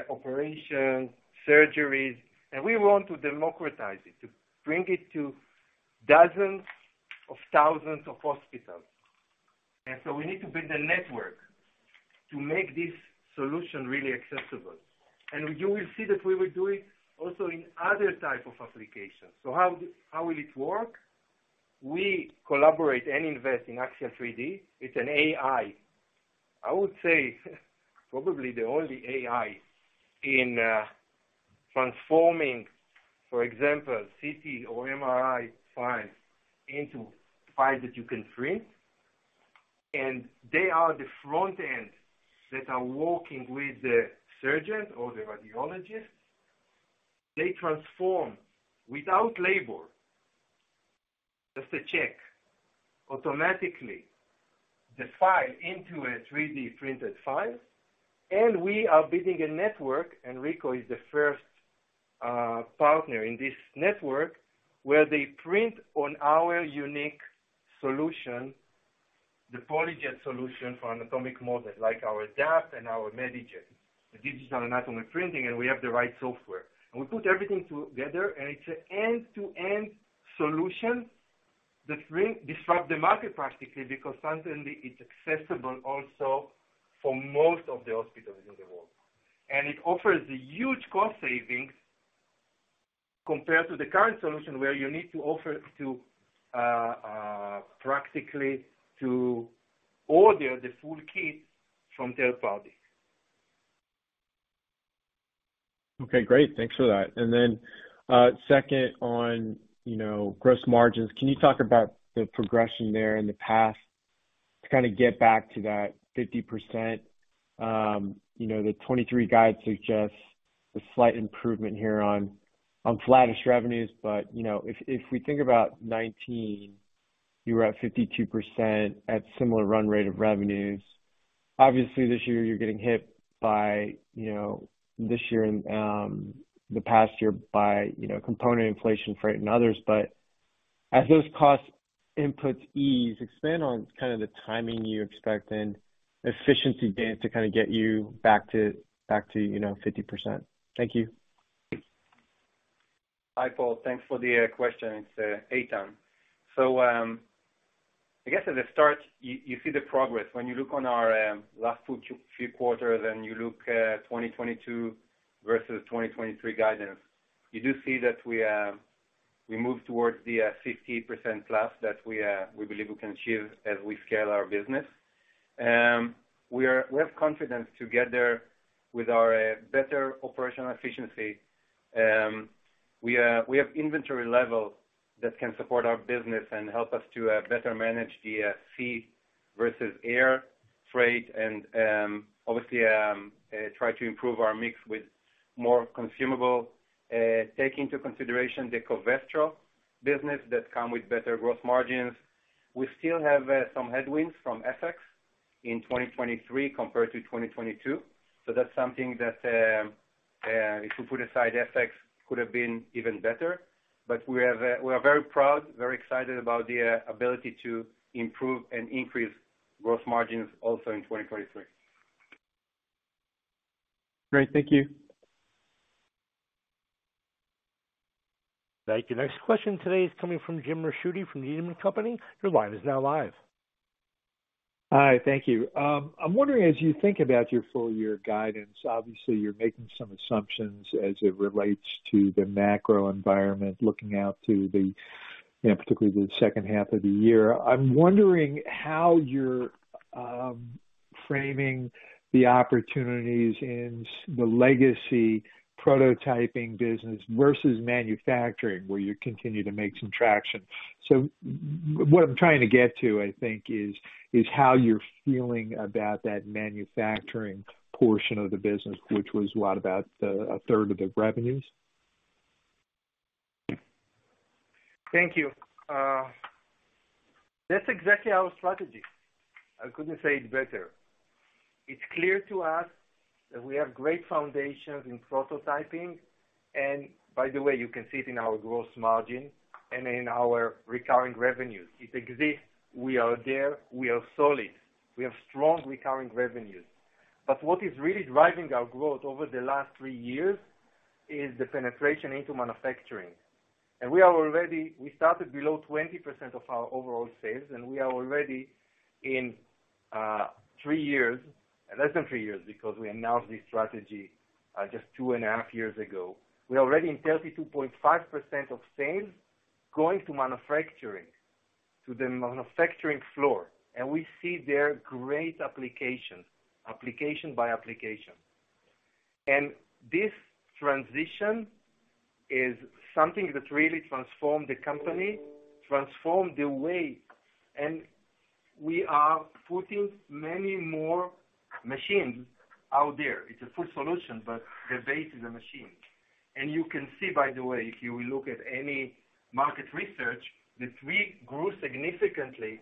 operations, surgeries. We want to democratize it, to bring it to dozens of thousands of hospitals. We need to build a network to make this solution really accessible. You will see that we will do it also in other type of applications. How will it work? We collaborate and invest in Axial3D. It's an AI. I would say probably the only AI in transforming, for example, CT or MRI files into files that you can print. They are the front end that are working with the surgeon or the radiologist. They transform without labor, just to check, automatically the file into a 3D printed file. We are building a network, Ricoh is the first partner in this network, where they print on our unique solution, the PolyJet solution for anatomic models like our DAP and our MediJet, the digital anatomic printing, and we have the right software. We put everything together, and it's an end-to-end solution that disrupts the market practically because suddenly it's accessible also for most of the hospitals in the world. It offers huge cost savings compared to the current solution, where you need to offer to practically to order the full kit from third party. Second on, you know, gross margins. Can you talk about the progression there in the past to kind of get back to that 50%? You know, the 2023 guide suggests a slight improvement here on flattest revenues. You know, if we think about 2019, you were at 52% at similar run rate of revenues. Obviously, this year you're getting hit by, you know, this year and the past year by, you know, component inflation, freight, and others. As those cost inputs ease, expand on kind of the timing you expect and efficiency gains to kind of get you back to, you know, 50%. Thank you. Hi, Paul. Thanks for the question. It's Eitan. I guess at the start, you see the progress. When you look on our last 2 to 3 quarters and you look at 2022 versus 2023 guidance, you do see that we moved towards the 50%+ that we believe we can achieve as we scale our business. We have confidence together with our better operational efficiency. We have inventory level that can support our business and help us to better manage the sea versus air freight and obviously try to improve our mix with more consumable. Take into consideration the Covestro business that come with better gross margins. We still have some headwinds from FX in 2023 compared to 2022. That's something that if we put aside FX, could have been even better. We have, we are very proud, very excited about the ability to improve and increase gross margins also in 2023. Great. Thank you. Thank you. Next question today is coming from Jim Ricchiuti from Needham & Company. Your line is now live. Hi. Thank you. I'm wondering, as you think about your full year guidance, obviously you're making some assumptions as it relates to the macro environment looking out to the, you know, particularly the second half of the year. I'm wondering how you're framing the opportunities in the legacy prototyping business versus manufacturing, where you continue to make some traction. What I'm trying to get to, I think, is how you're feeling about that manufacturing portion of the business, which was what, about a third of the revenues? Thank you. That's exactly our strategy. I couldn't say it better. It's clear to us that we have great foundations in prototyping, and by the way, you can see it in our gross margin and in our recurring revenues. It exists, we are there, we are solid. We have strong recurring revenues. What is really driving our growth over the last three years is the penetration into manufacturing. We started below 20% of our overall sales, and we are already in three years, less than three years, because we announced this strategy just two and a half years ago. We're already in 32.5% of sales going to manufacturing, to the manufacturing floor, and we see their great application by application. This transition is something that really transformed the company, transformed the way, and we are putting many more machines out there. It's a full solution, but the base is a machine. You can see, by the way, if you look at any market research, that we grew significantly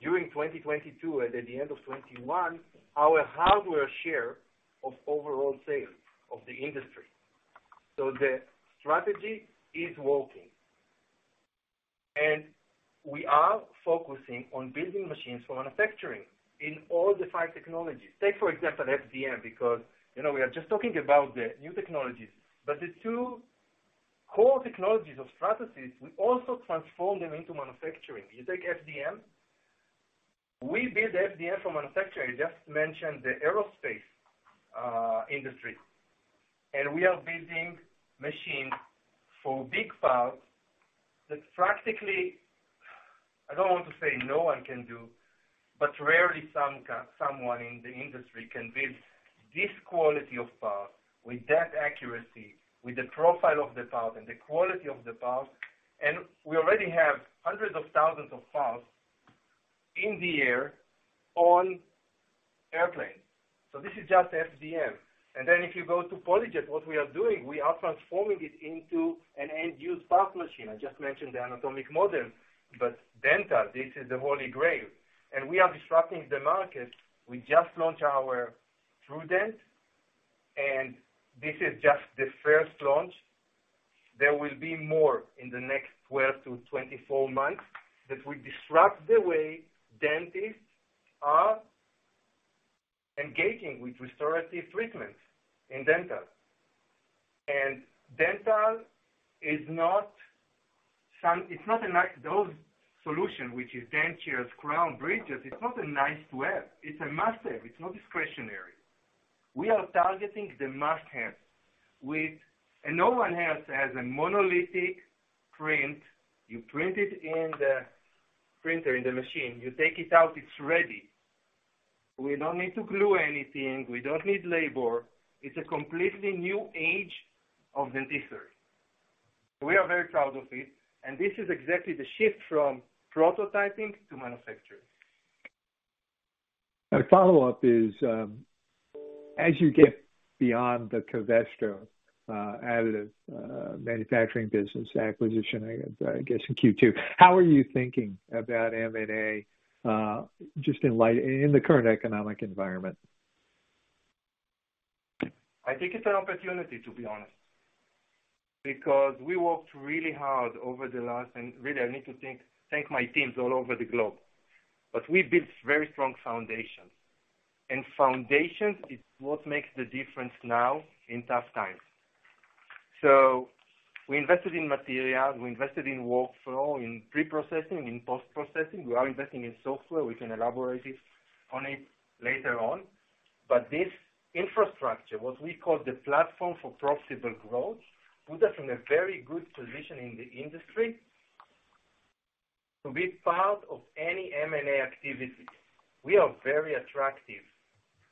during 2022 and at the end of 2021, our hardware share of overall sales of the industry. The strategy is working. We are focusing on building machines for manufacturing in all the five technologies. Take for example, FDM, because, you know, we are just talking about the new technologies. The two core technologies of Stratasys, we also transform them into manufacturing. You take FDM. We build FDM for manufacturing. I just mentioned the aerospace industry. We are building machines for big parts that practically, I don't want to say no one can do, but rarely someone in the industry can build this quality of parts with that accuracy, with the profile of the part and the quality of the part. We already have hundreds of thousands of parts in the air on airplanes. This is just FDM. If you go to PolyJet, what we are doing, we are transforming it into an end-use part machine. I just mentioned the anatomic models, but dental, this is the holy grail. We are disrupting the market. We just launched our TrueDent, and this is just the first launch. There will be more in the next 12-24 months that will disrupt the way dentists are engaging with restorative treatments in dental. Dental is not those solution, which is dentures, crown, bridges, it's not a nice to have. It's a must have. It's not discretionary. We are targeting the must haves with. No one else has a monolithic print. You print it in the printer, in the machine, you take it out, it's ready. We don't need to glue anything. We don't need labor. It's a completely new age of dentistry. We are very proud of it, and this is exactly the shift from prototyping to manufacturing. My follow-up is, as you get beyond the Covestro additive manufacturing business acquisition in Q2, how are you thinking about M&A, just in light in the current economic environment? I think it's an opportunity, to be honest. Really, I need to thank my teams all over the globe. We built very strong foundations. Foundations is what makes the difference now in tough times. We invested in material, we invested in workflow, in pre-processing, in post-processing. We are investing in software. We can elaborate on it later on. This infrastructure, what we call the platform for profitable growth, put us in a very good position in the industry. To be part of any M&A activity, we are very attractive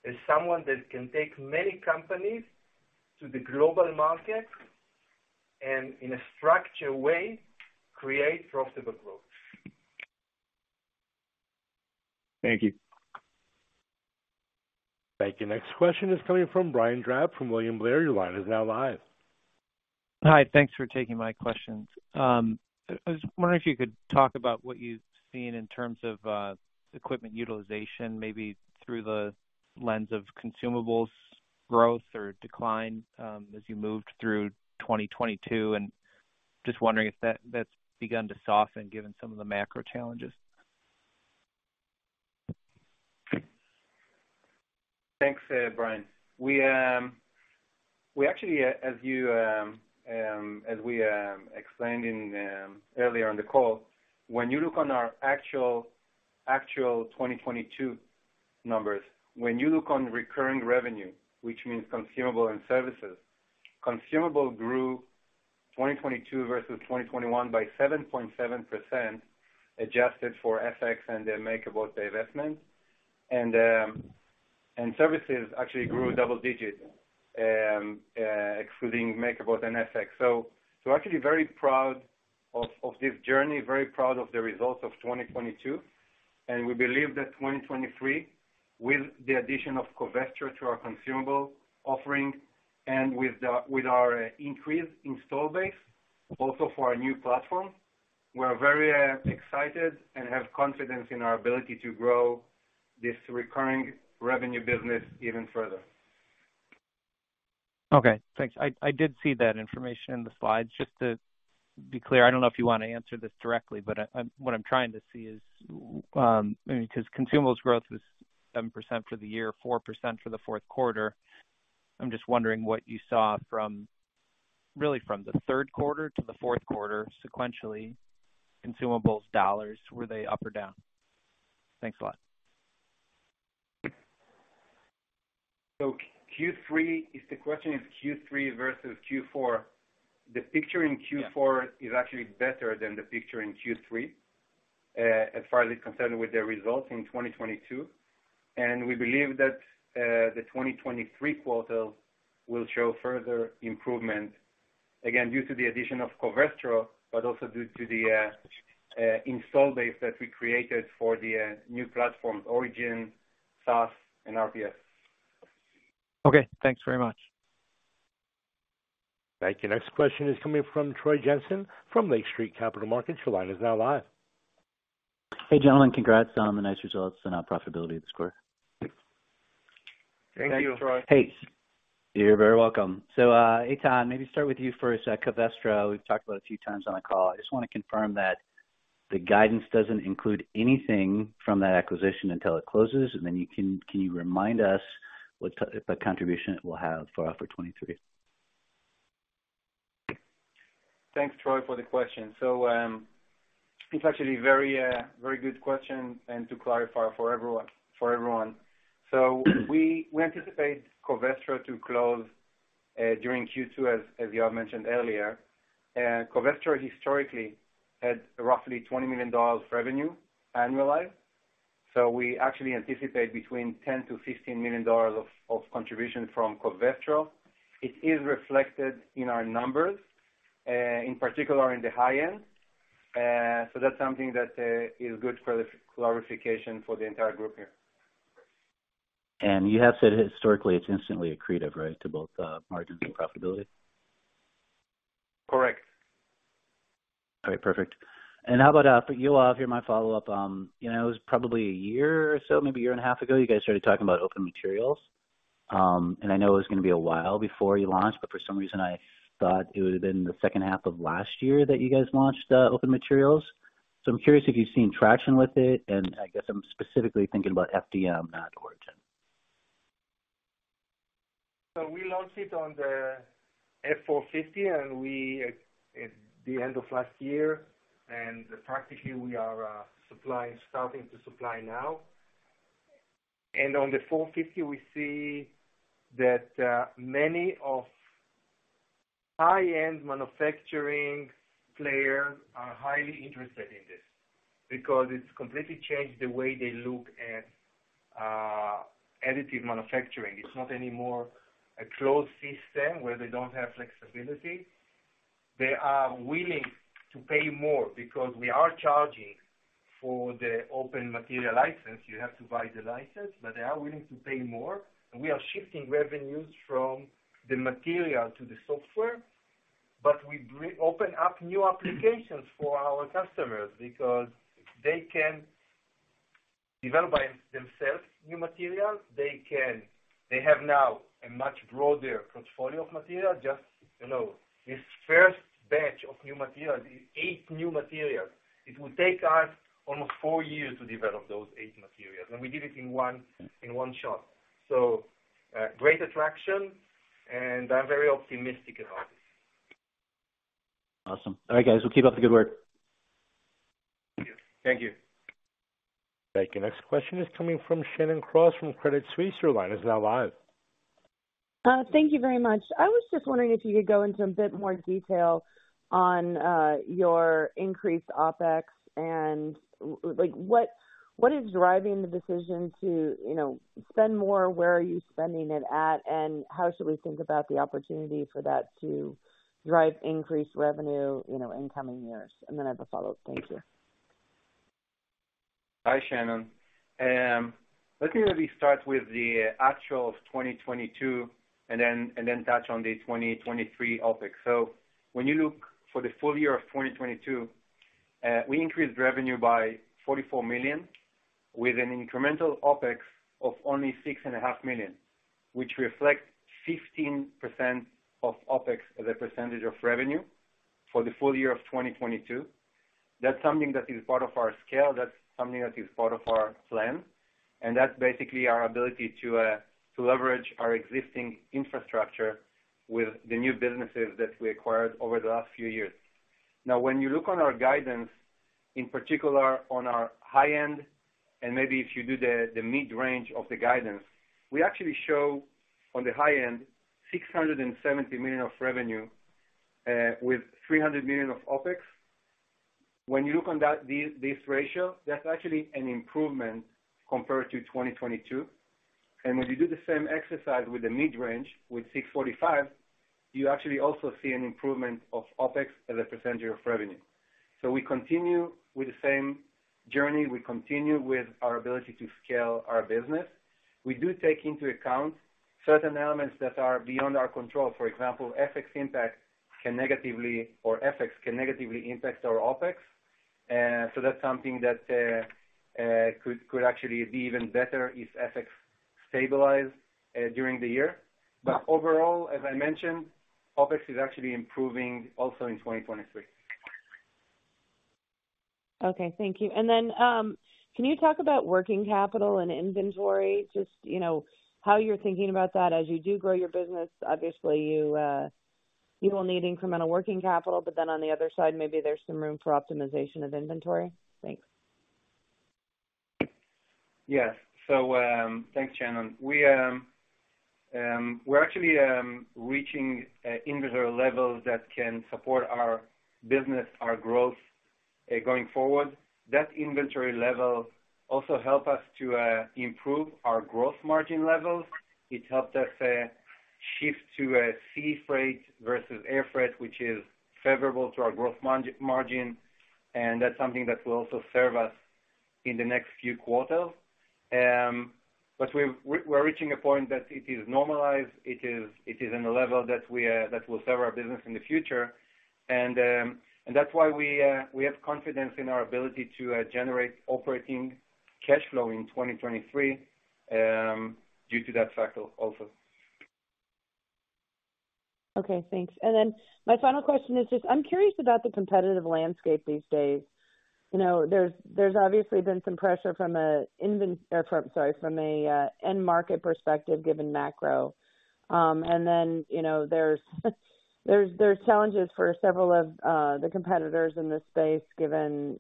as someone that can take many companies to the global market and in a structured way, create profitable growth. Thank you. Thank you. Next question is coming from Brian Drab from William Blair. Your line is now live. Hi. Thanks for taking my questions. I was wondering if you could talk about what you've seen in terms of equipment utilization, maybe through the lens of consumables growth or decline, as you moved through 2022, and just wondering if that's begun to soften given some of the macro challenges. Thanks, Brian. We actually, as you, as we explained earlier on the call, when you look on our actual 2022 numbers, when you look on recurring revenue, which means consumable and services, consumable grew 2022 versus 2021 by 7.7% adjusted for FX and the MakerBot divestment. Services actually grew double digits excluding MakerBot and FX. So actually very proud of this journey, very proud of the results of 2022, and we believe that 2023, with the addition of Covestro to our consumable offering and with our increased install base, also for our new platform, we're very excited and have confidence in our ability to grow this recurring revenue business even further. Okay, thanks. I did see that information in the slides. Just to be clear, I don't know if you wanna answer this directly, but what I'm trying to see is, 'cause consumables growth was 7% for the year, 4% for the fourth quarter. I'm just wondering what you saw from, really from the third quarter to the fourth quarter sequentially, consumables dollars, were they up or down? Thanks a lot. Q3, if the question is Q3 versus Q4, the picture in Q4. Yeah. is actually better than the picture in Q3, as far as it's concerned with the results in 2022. We believe that, the 2023 quarter will show further improvement, again, due to the addition of Covestro, but also due to the install base that we created for the new platforms, Origin, SaaS, and RPS. Okay. Thanks very much. Thank you. Next question is coming from Troy Jensen from Lake Street Capital Markets. Your line is now live. Hey, gentlemen. Congrats on the nice results and our profitability this quarter. Thank you. You're very welcome. Eitan, maybe start with you first. Covestro, we've talked about a few times on the call. I just wanna confirm that the guidance doesn't include anything from that acquisition until it closes, and then can you remind us what the contribution it will have for 2023? Thanks, Troy, for the question. It's actually very good question and to clarify for everyone. We anticipate Covestro to close during Q2, as Yoav mentioned earlier. Covestro historically had roughly $20 million revenue annualized. We actually anticipate between $10 million-$15 million of contribution from Covestro. It is reflected in our numbers, in particular in the high end. That's something that is good clarification for the entire group here. You have said historically, it's instantly accretive, right, to both margins and profitability? Correct. All right. Perfect. How about for Yoav, you're my follow-up. You know, it was probably 1 year or so, maybe 1 and a half years ago, you guys started talking about open materials. I know it was gonna be a while before you launched, but for some reason I thought it would have been the second half of last year that you guys launched open materials. I'm curious if you've seen traction with it, and I guess I'm specifically thinking about FDM, not Origin? We launched it on the F450 at the end of last year. Practically, we are starting to supply now. On the 450, we see that many of high-end manufacturing players are highly interested in this because it's completely changed the way they look at additive manufacturing. It's not anymore a closed system where they don't have flexibility. They are willing to pay more because we are charging for the open material license. You have to buy the license. They are willing to pay more. We are shifting revenues from the material to the software. We open up new applications for our customers because they can develop by themselves new materials. They have now a much broader portfolio of material. This first batch of new materials, the 8 new materials, it would take us almost 4 years to develop those 8 materials, and we did it in 1 shot. Great attraction, and I'm very optimistic about this. Awesome. All right, guys, well, keep up the good work. Thank you. Thank you. Next question is coming from Shannon Cross from Credit Suisse. Your line is now live. Thank you very much. I was just wondering if you could go into a bit more detail on your increased OpEx and like what is driving the decision to, you know, spend more? Where are you spending it at? How should we think about the opportunity for that to drive increased revenue, you know, in coming years? I have a follow-up. Thank you. Hi, Shannon. Let me really start with the actual of 2022 and then touch on the 2023 OpEx. When you look for the full year of 2022, we increased revenue by $44 million with an incremental OpEx of only $six and a half million, which reflects 15% of OpEx as a percentage of revenue for the full year of 2022. That's something that is part of our scale, that's something that is part of our plan, and that's basically our ability to leverage our existing infrastructure with the new businesses that we acquired over the last few years. When you look on our guidance, in particular on our high end, and maybe if you do the mid-range of the guidance, we actually show on the high end $670 million of revenue with $300 million of OpEx. When you look on this ratio, that's actually an improvement compared to 2022. When you do the same exercise with the mid-range with $645 million, you actually also see an improvement of OpEx as a percentage of revenue. We continue with the same journey. We continue with our ability to scale our business. We do take into account certain elements that are beyond our control. For example, FX impact can negatively or FX can negatively impact our OpEx. That's something that could actually be even better if FX stabilize during the year. Overall, as I mentioned, OpEx is actually improving also in 2023. Okay. Thank you. Can you talk about working capital and inventory, just, you know, how you're thinking about that? As you do grow your business, obviously, you will need incremental working capital, but then on the other side, maybe there's some room for optimization of inventory. Thanks. Yes. thanks, Shannon. We're actually reaching inventory levels that can support our business, our growth going forward. That inventory level also help us to improve our growth margin levels. It helped us shift to a sea freight versus air freight, which is favorable to our growth margin, and that's something that will also serve us in the next few quarters. We're reaching a point that it is normalized, it is in a level that we that will serve our business in the future. That's why we have confidence in our ability to generate operating cash flow in 2023 due to that factor also. Okay, thanks. My final question is just I'm curious about the competitive landscape these days. You know, there's obviously been some pressure from a end market perspective, given macro. You know, there's challenges for several of the competitors in this space given,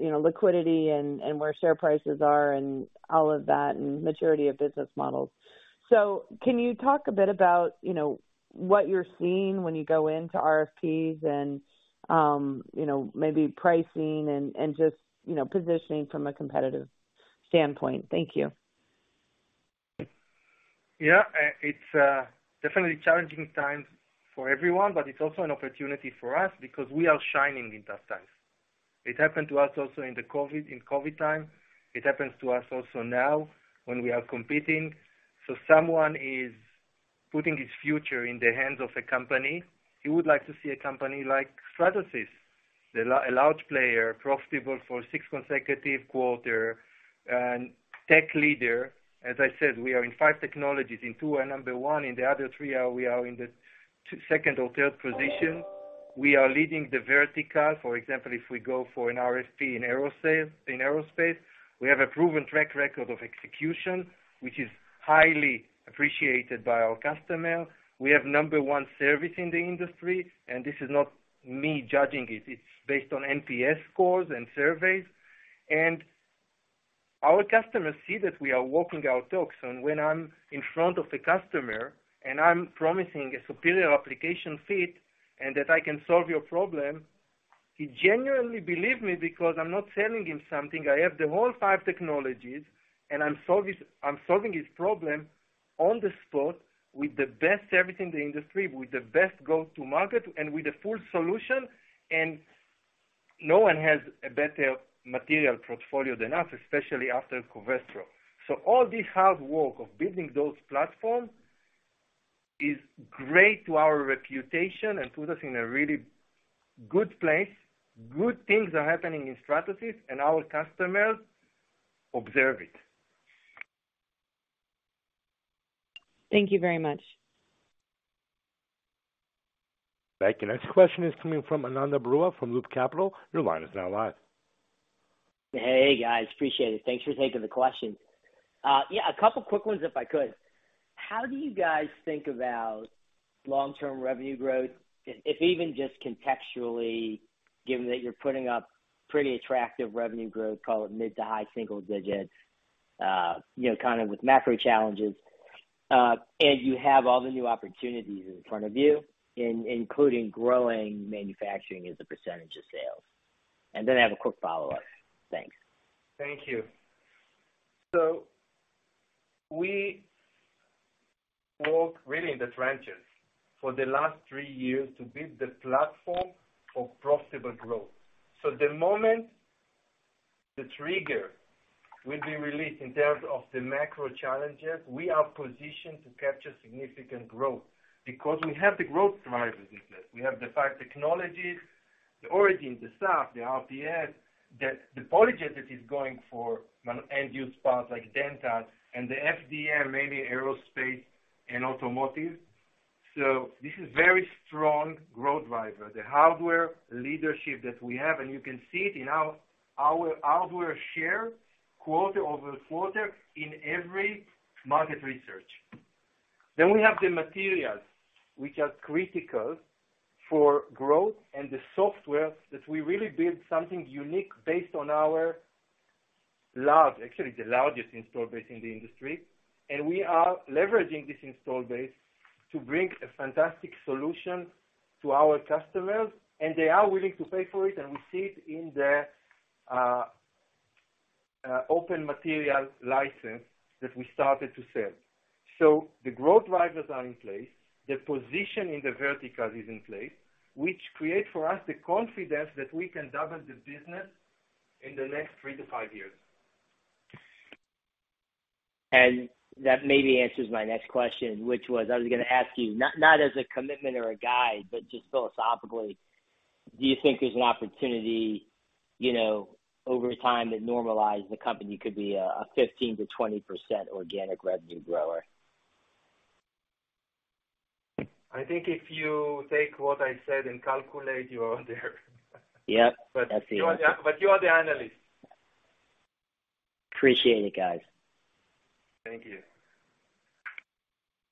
you know, liquidity and where share prices are and all of that and maturity of business models. Can you talk a bit about, you know, what you're seeing when you go into RFPs and, you know, maybe pricing and just, you know, positioning from a competitive standpoint? Thank you. Yeah. It's definitely challenging times for everyone, but it's also an opportunity for us because we are shining in that times. It happened to us also in the COVID, in COVID time. It happens to us also now when we are competing. Someone is putting his future in the hands of a company. He would like to see a company like Stratasys, a large player, profitable for sixth consecutive quarter and tech leader. As I said, we are in five technologies. In two, we're number one. In the other three, we are in the second or third position. We are leading the vertical. For example, if we go for an RFP in aerospace, we have a proven track record of execution, which is highly appreciated by our customers. We have number one service in the industry. This is not me judging it. It's based on NPS scores and surveys. Our customers see that we are walking our talks. When I'm in front of the customer and I'm promising a superior application fit and that I can solve your problem, he genuinely believe me because I'm not selling him something. I have the whole five technologies, and I'm solving his problem on the spot with the best service in the industry, with the best go-to-market, and with a full solution. No one has a better material portfolio than us, especially after Covestro. All this hard work of building those platforms is great to our reputation and put us in a really good place. Good things are happening in Stratasys, and our customers observe it. Thank you very much. Thank you. Next question is coming from Ananda Baruah from Loop Capital Markets. Your line is now live. Hey, guys. Appreciate it. Thanks for taking the questions. Yeah, a couple quick ones if I could. How do you guys think about long-term revenue growth, if even just contextually, given that you're putting up pretty attractive revenue growth, call it mid to high single digit, you know, kind of with macro challenges, and you have all the new opportunities in front of you, including growing manufacturing as a percentage of sales? I have a quick follow-up. Thanks. Thank you. We work really in the trenches for the last three years to build the platform for profitable growth. The moment the trigger will be released in terms of the macro challenges, we are positioned to capture significant growth because we have the growth drivers in place. We have the five technologies, the Origin, the SAF, the RPS, that the PolyJet that is going for. And use parts like dental and the FDM, maybe aerospace and automotive. This is very strong growth driver, the hardware leadership that we have, and you can see it in our hardware share quarter-over-quarter in every market research. We have the materials which are critical for growth and the software that we really build something unique based on our large, actually the largest install base in the industry. We are leveraging this install base to bring a fantastic solution to our customers, and they are willing to pay for it, and we see it in the open material license that we started to sell. The growth drivers are in place. The position in the verticals is in place, which create for us the confidence that we can double the business in the next 3-5 years. That maybe answers my next question, which was I was gonna ask you, not as a commitment or a guide, but just philosophically, do you think there's an opportunity, you know, over time to normalize the company could be a 15% to 20% organic revenue grower? I think if you take what I said and calculate, you are there. Yep. That's the only- You are the analyst. Appreciate it, guys. Thank you.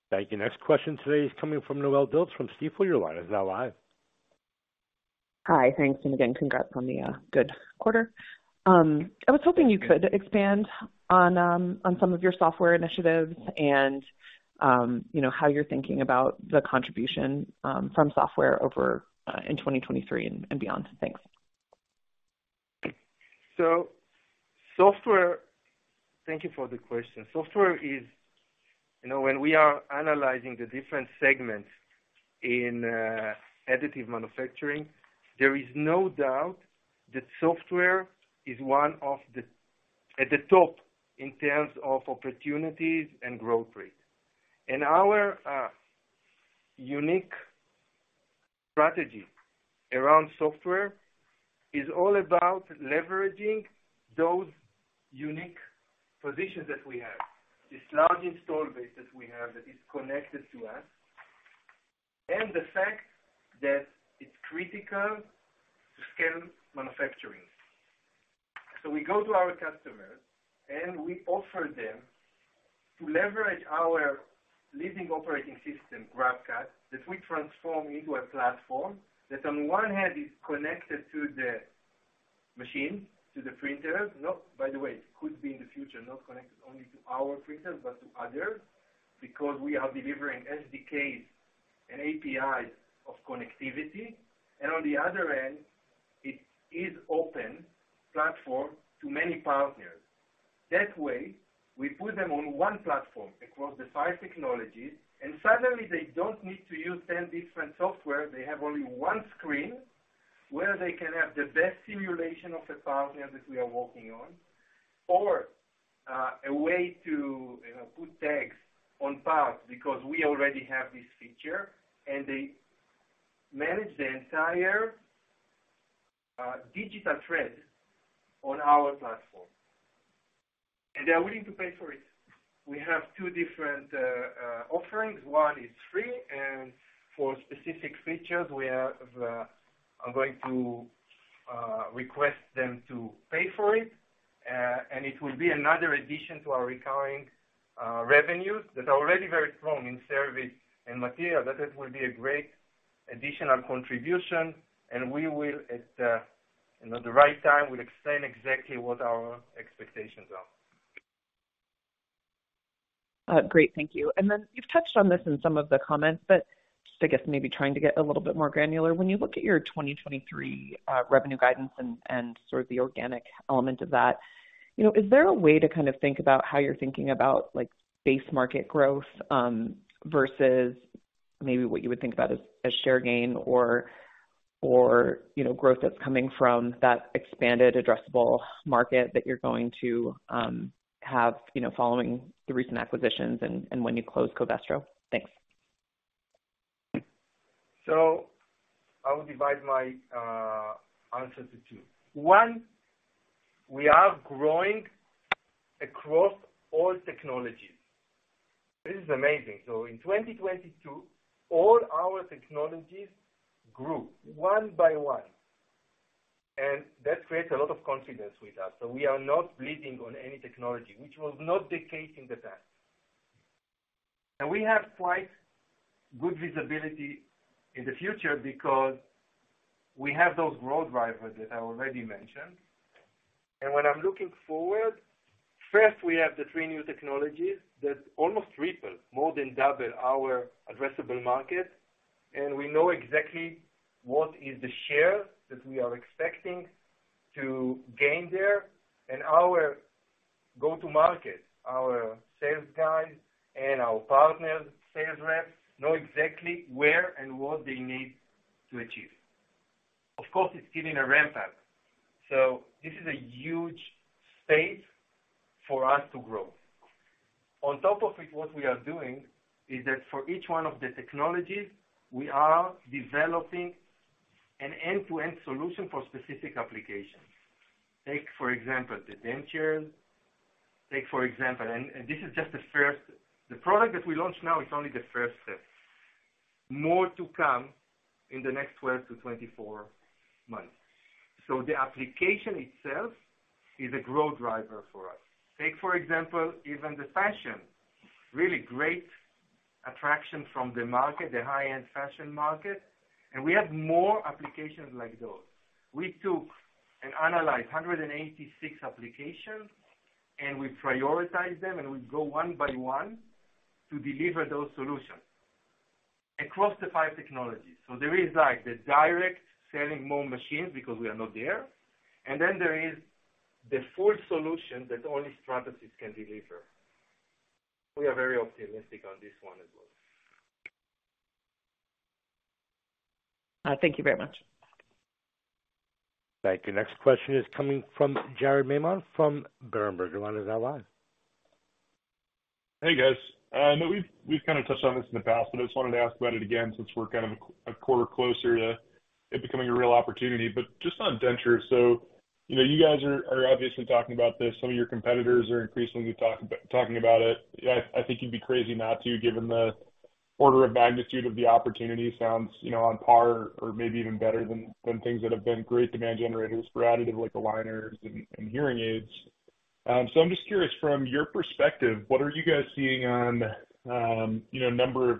Thank you. Next question today is coming from Noelle Dilts from Stifel. Your line is now live. Hi. Thanks. Again, congrats on the good quarter. I was hoping you could expand on some of your software initiatives and, you know, how you're thinking about the contribution from software over in 2023 and beyond. Thanks. Software. Thank you for the question. Software is, you know, when we are analyzing the different segments in additive manufacturing, there is no doubt that software is at the top in terms of opportunities and growth rate. Our unique strategy around software is all about leveraging those unique positions that we have. This large install base that we have that is connected to us and the fact that it's critical to scale manufacturing. We go to our customers, and we offer them to leverage our leading operating system, GrabCAD, that we transform into a platform that on one hand is connected to the machines, to the printers. Not, by the way, it could be in the future, not connected only to our printers, but to others, because we are delivering SDKs and APIs of connectivity. On the other end, it is open platform to many partners. That way, we put them on 1 platform across the 5 technologies. Suddenly they don't need to use 10 different software. They have only 1 screen where they can have the best simulation of a partner that we are working on or, a way to, you know, put tags on parts because we already have this feature and they manage the entire digital thread on our platform. They are willing to pay for it. We have 2 different offerings. One is free, and for specific features we are going to request them to pay for it. It will be another addition to our recurring revenues that are already very strong in service and material, that it will be a great additional contribution, and we will at, you know, the right time, will explain exactly what our expectations are. Great. Thank you. You've touched on this in some of the comments, but just I guess maybe trying to get a little bit more granular. When you look at your 2023 revenue guidance and sort of the organic element of that, you know, is there a way to kind of think about how you're thinking about like base market growth versus maybe what you would think about as share gain or, you know, growth that's coming from that expanded addressable market that you're going to have, you know, following the recent acquisitions and when you close Covestro? Thanks. I would divide my answer to 2. One, we are growing across all technologies. This is amazing. In 2022, all our technologies grew one by one. That creates a lot of confidence with us. We are not bleeding on any technology, which was not the case in the past. We have quite good visibility in the future because we have those growth drivers that I already mentioned. When I'm looking forward, first, we have the 3 new technologies that almost triple, more than double our addressable market, and we know exactly what is the share that we are expecting to gain there. Our go-to market, our sales guys and our partners, sales reps, know exactly where and what they need to achieve. Of course, it's giving a ramp-up. This is a huge space for us to grow. On top of it, what we are doing is that for each one of the technologies, we are developing an end-to-end solution for specific applications. Take for example, the dentures. Take for example. This is just the first. The product that we launched now is only the first step. More to come in the next 12 to 24 months. The application itself is a growth driver for us. Take for example, even the fashion, really great attraction from the market, the high-end fashion market, and we have more applications like those. We took and analyzed 186 applications, and we prioritize them, and we go 1 by 1 to deliver those solutions across the 5 technologies. There is like the direct selling more machines because we are not there. There is the full solution that only Stratasys can deliver. We are very optimistic on this one as well. Thank you very much. Thank you. Next question is coming from Jared Maymon from Berenberg. The line is now live. Hey, guys. we've kinda touched on this in the past, but I just wanted to ask about it again since we're kind of a quarter closer to it becoming a real opportunity. Just on dentures, so, you know, you guys are obviously talking about this. Some of your competitors are increasingly talking about it. I think you'd be crazy not to, given the order of magnitude of the opportunity sounds, you know, on par or maybe even better than things that have been great demand generators for additive like aligners and hearing aids. I'm just curious, from your perspective, what are you guys seeing on, you know, number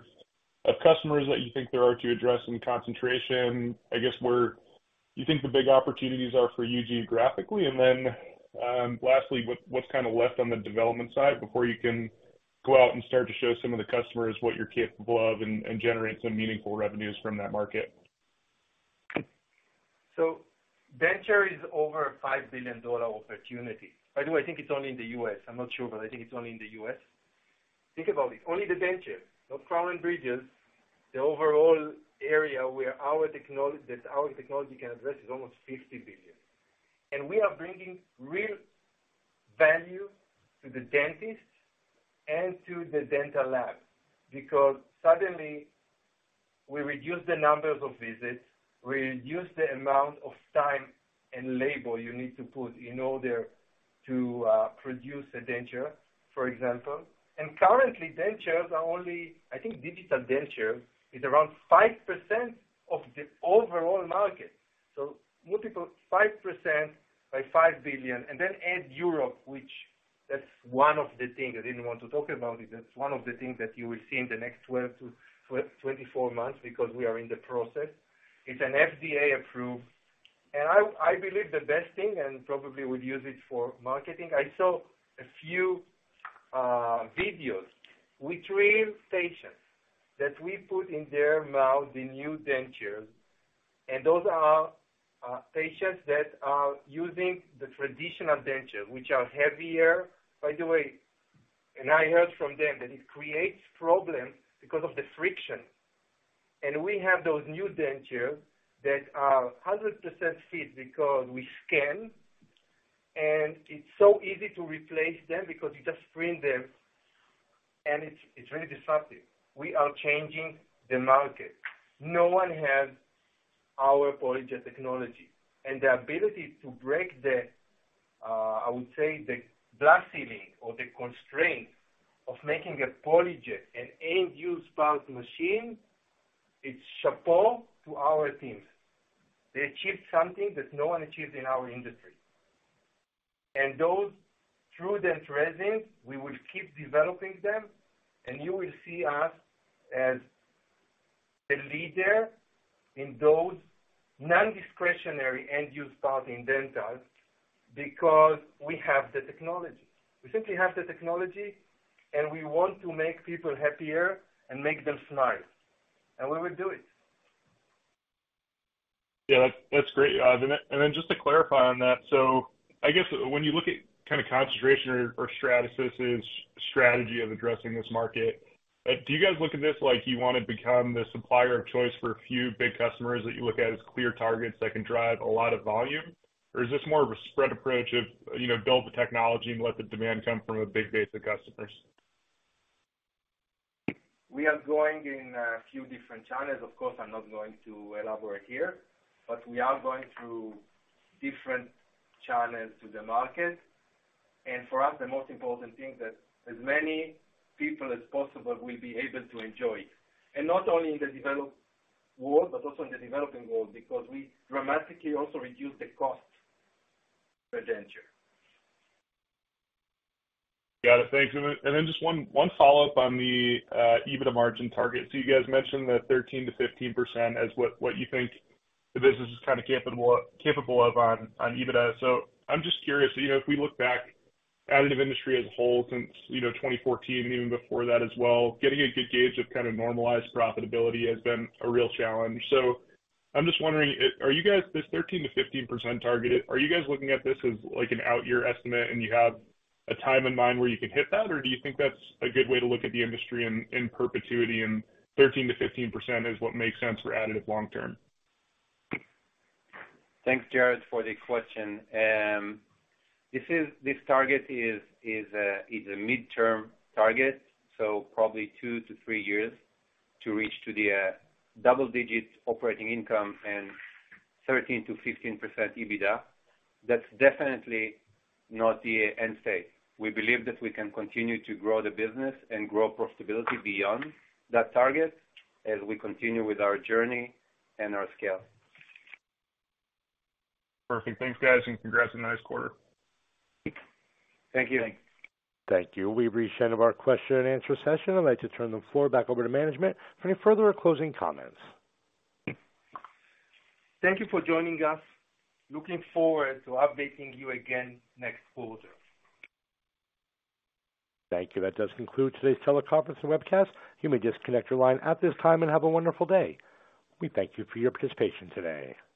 of customers that you think there are to address in concentration? I guess, where you think the big opportunities are for you geographically? lastly, what's kinda left on the development side before you can go out and start to show some of the customers what you're capable of and generate some meaningful revenues from that market? denture is over $5 billion opportunity. By the way, I think it's only in the U.S. I'm not sure, but I think it's only in the U.S. Think about it, only the denture, no crown and bridges. The overall area where our technology can address is almost $50 billion. We are bringing real value to the dentist and to the dental lab because suddenly we reduce the numbers of visits, we reduce the amount of time and labor you need to put in order to produce a denture, for example. Currently, dentures are I think digital denture is around 5% of the overall market. Multiple 5% by $5 billion, add Europe, which that's one of the thing I didn't want to talk about, is that's one of the things that you will see in the next 12 to 24 months because we are in the process. It's an FDA approved. I believe the best thing, and probably would use it for marketing, I saw a few videos with real patients that we put in their mouth the new dentures, and those are patients that are using the traditional denture, which are heavier. By the way, I heard from them that it creates problems because of the friction. We have those new dentures that are 100% fit because we scan, and it's so easy to replace them because you just print them, and it's really disruptive. We are changing the market. No one has our PolyJet technology, and the ability to break the, I would say, the glass ceiling or the constraint of making a PolyJet an end-use parts machine, it's chapeau to our teams. They achieved something that no one achieved in our industry. Those TrueDent resins, we will keep developing them, and you will see us as the leader in those non-discretionary end-use part in dental because we have the technology. We simply have the technology, and we want to make people happier and make them smile. We will do it. Yeah, that's great. Just to clarify on that. I guess when you look at kinda concentration or Stratasys' strategy of addressing this market, do you guys look at this like you wanna become the supplier of choice for a few big customers that you look at as clear targets that can drive a lot of volume? Is this more of a spread approach of, you know, build the technology and let the demand come from a big base of customers? We are going in a few different channels. Of course, I'm not going to elaborate here, but we are going through different channels to the market. For us, the most important thing is that as many people as possible will be able to enjoy. Not only in the developed world, but also in the developing world, because we dramatically also reduce the cost for denture. Got it. Thanks. Then, just one follow-up on the EBITDA margin target. You guys mentioned that 13%-15% as what you think the business is kinda capable of on EBITDA. I'm just curious, you know, if we look back additive industry as a whole since, you know, 2014 and even before that as well, getting a good gauge of kinda normalized profitability has been a real challenge. I'm just wondering, are you guys, this 13%-15% target, are you guys looking at this as like an out year estimate and you have a time in mind where you can hit that? Or do you think that's a good way to look at the industry in perpetuity and 13%-15% is what makes sense for additive long term? Thanks, Jared, for the question. This target is a midterm target, so probably two to three years to reach to the double-digit operating income and 13%-15% EBITDA. That's definitely not the end state. We believe that we can continue to grow the business and grow profitability beyond that target as we continue with our journey and our scale. Perfect. Thanks, guys. Congrats on the nice quarter. Thank you. Thank you. We've reached the end of our question and answer session. I'd like to turn the floor back over to management for any further or closing comments. Thank you for joining us. Looking forward to updating you again next quarter. Thank you. That does conclude today's teleconference and webcast. You may disconnect your line at this time and have a wonderful day. We thank you for your participation today.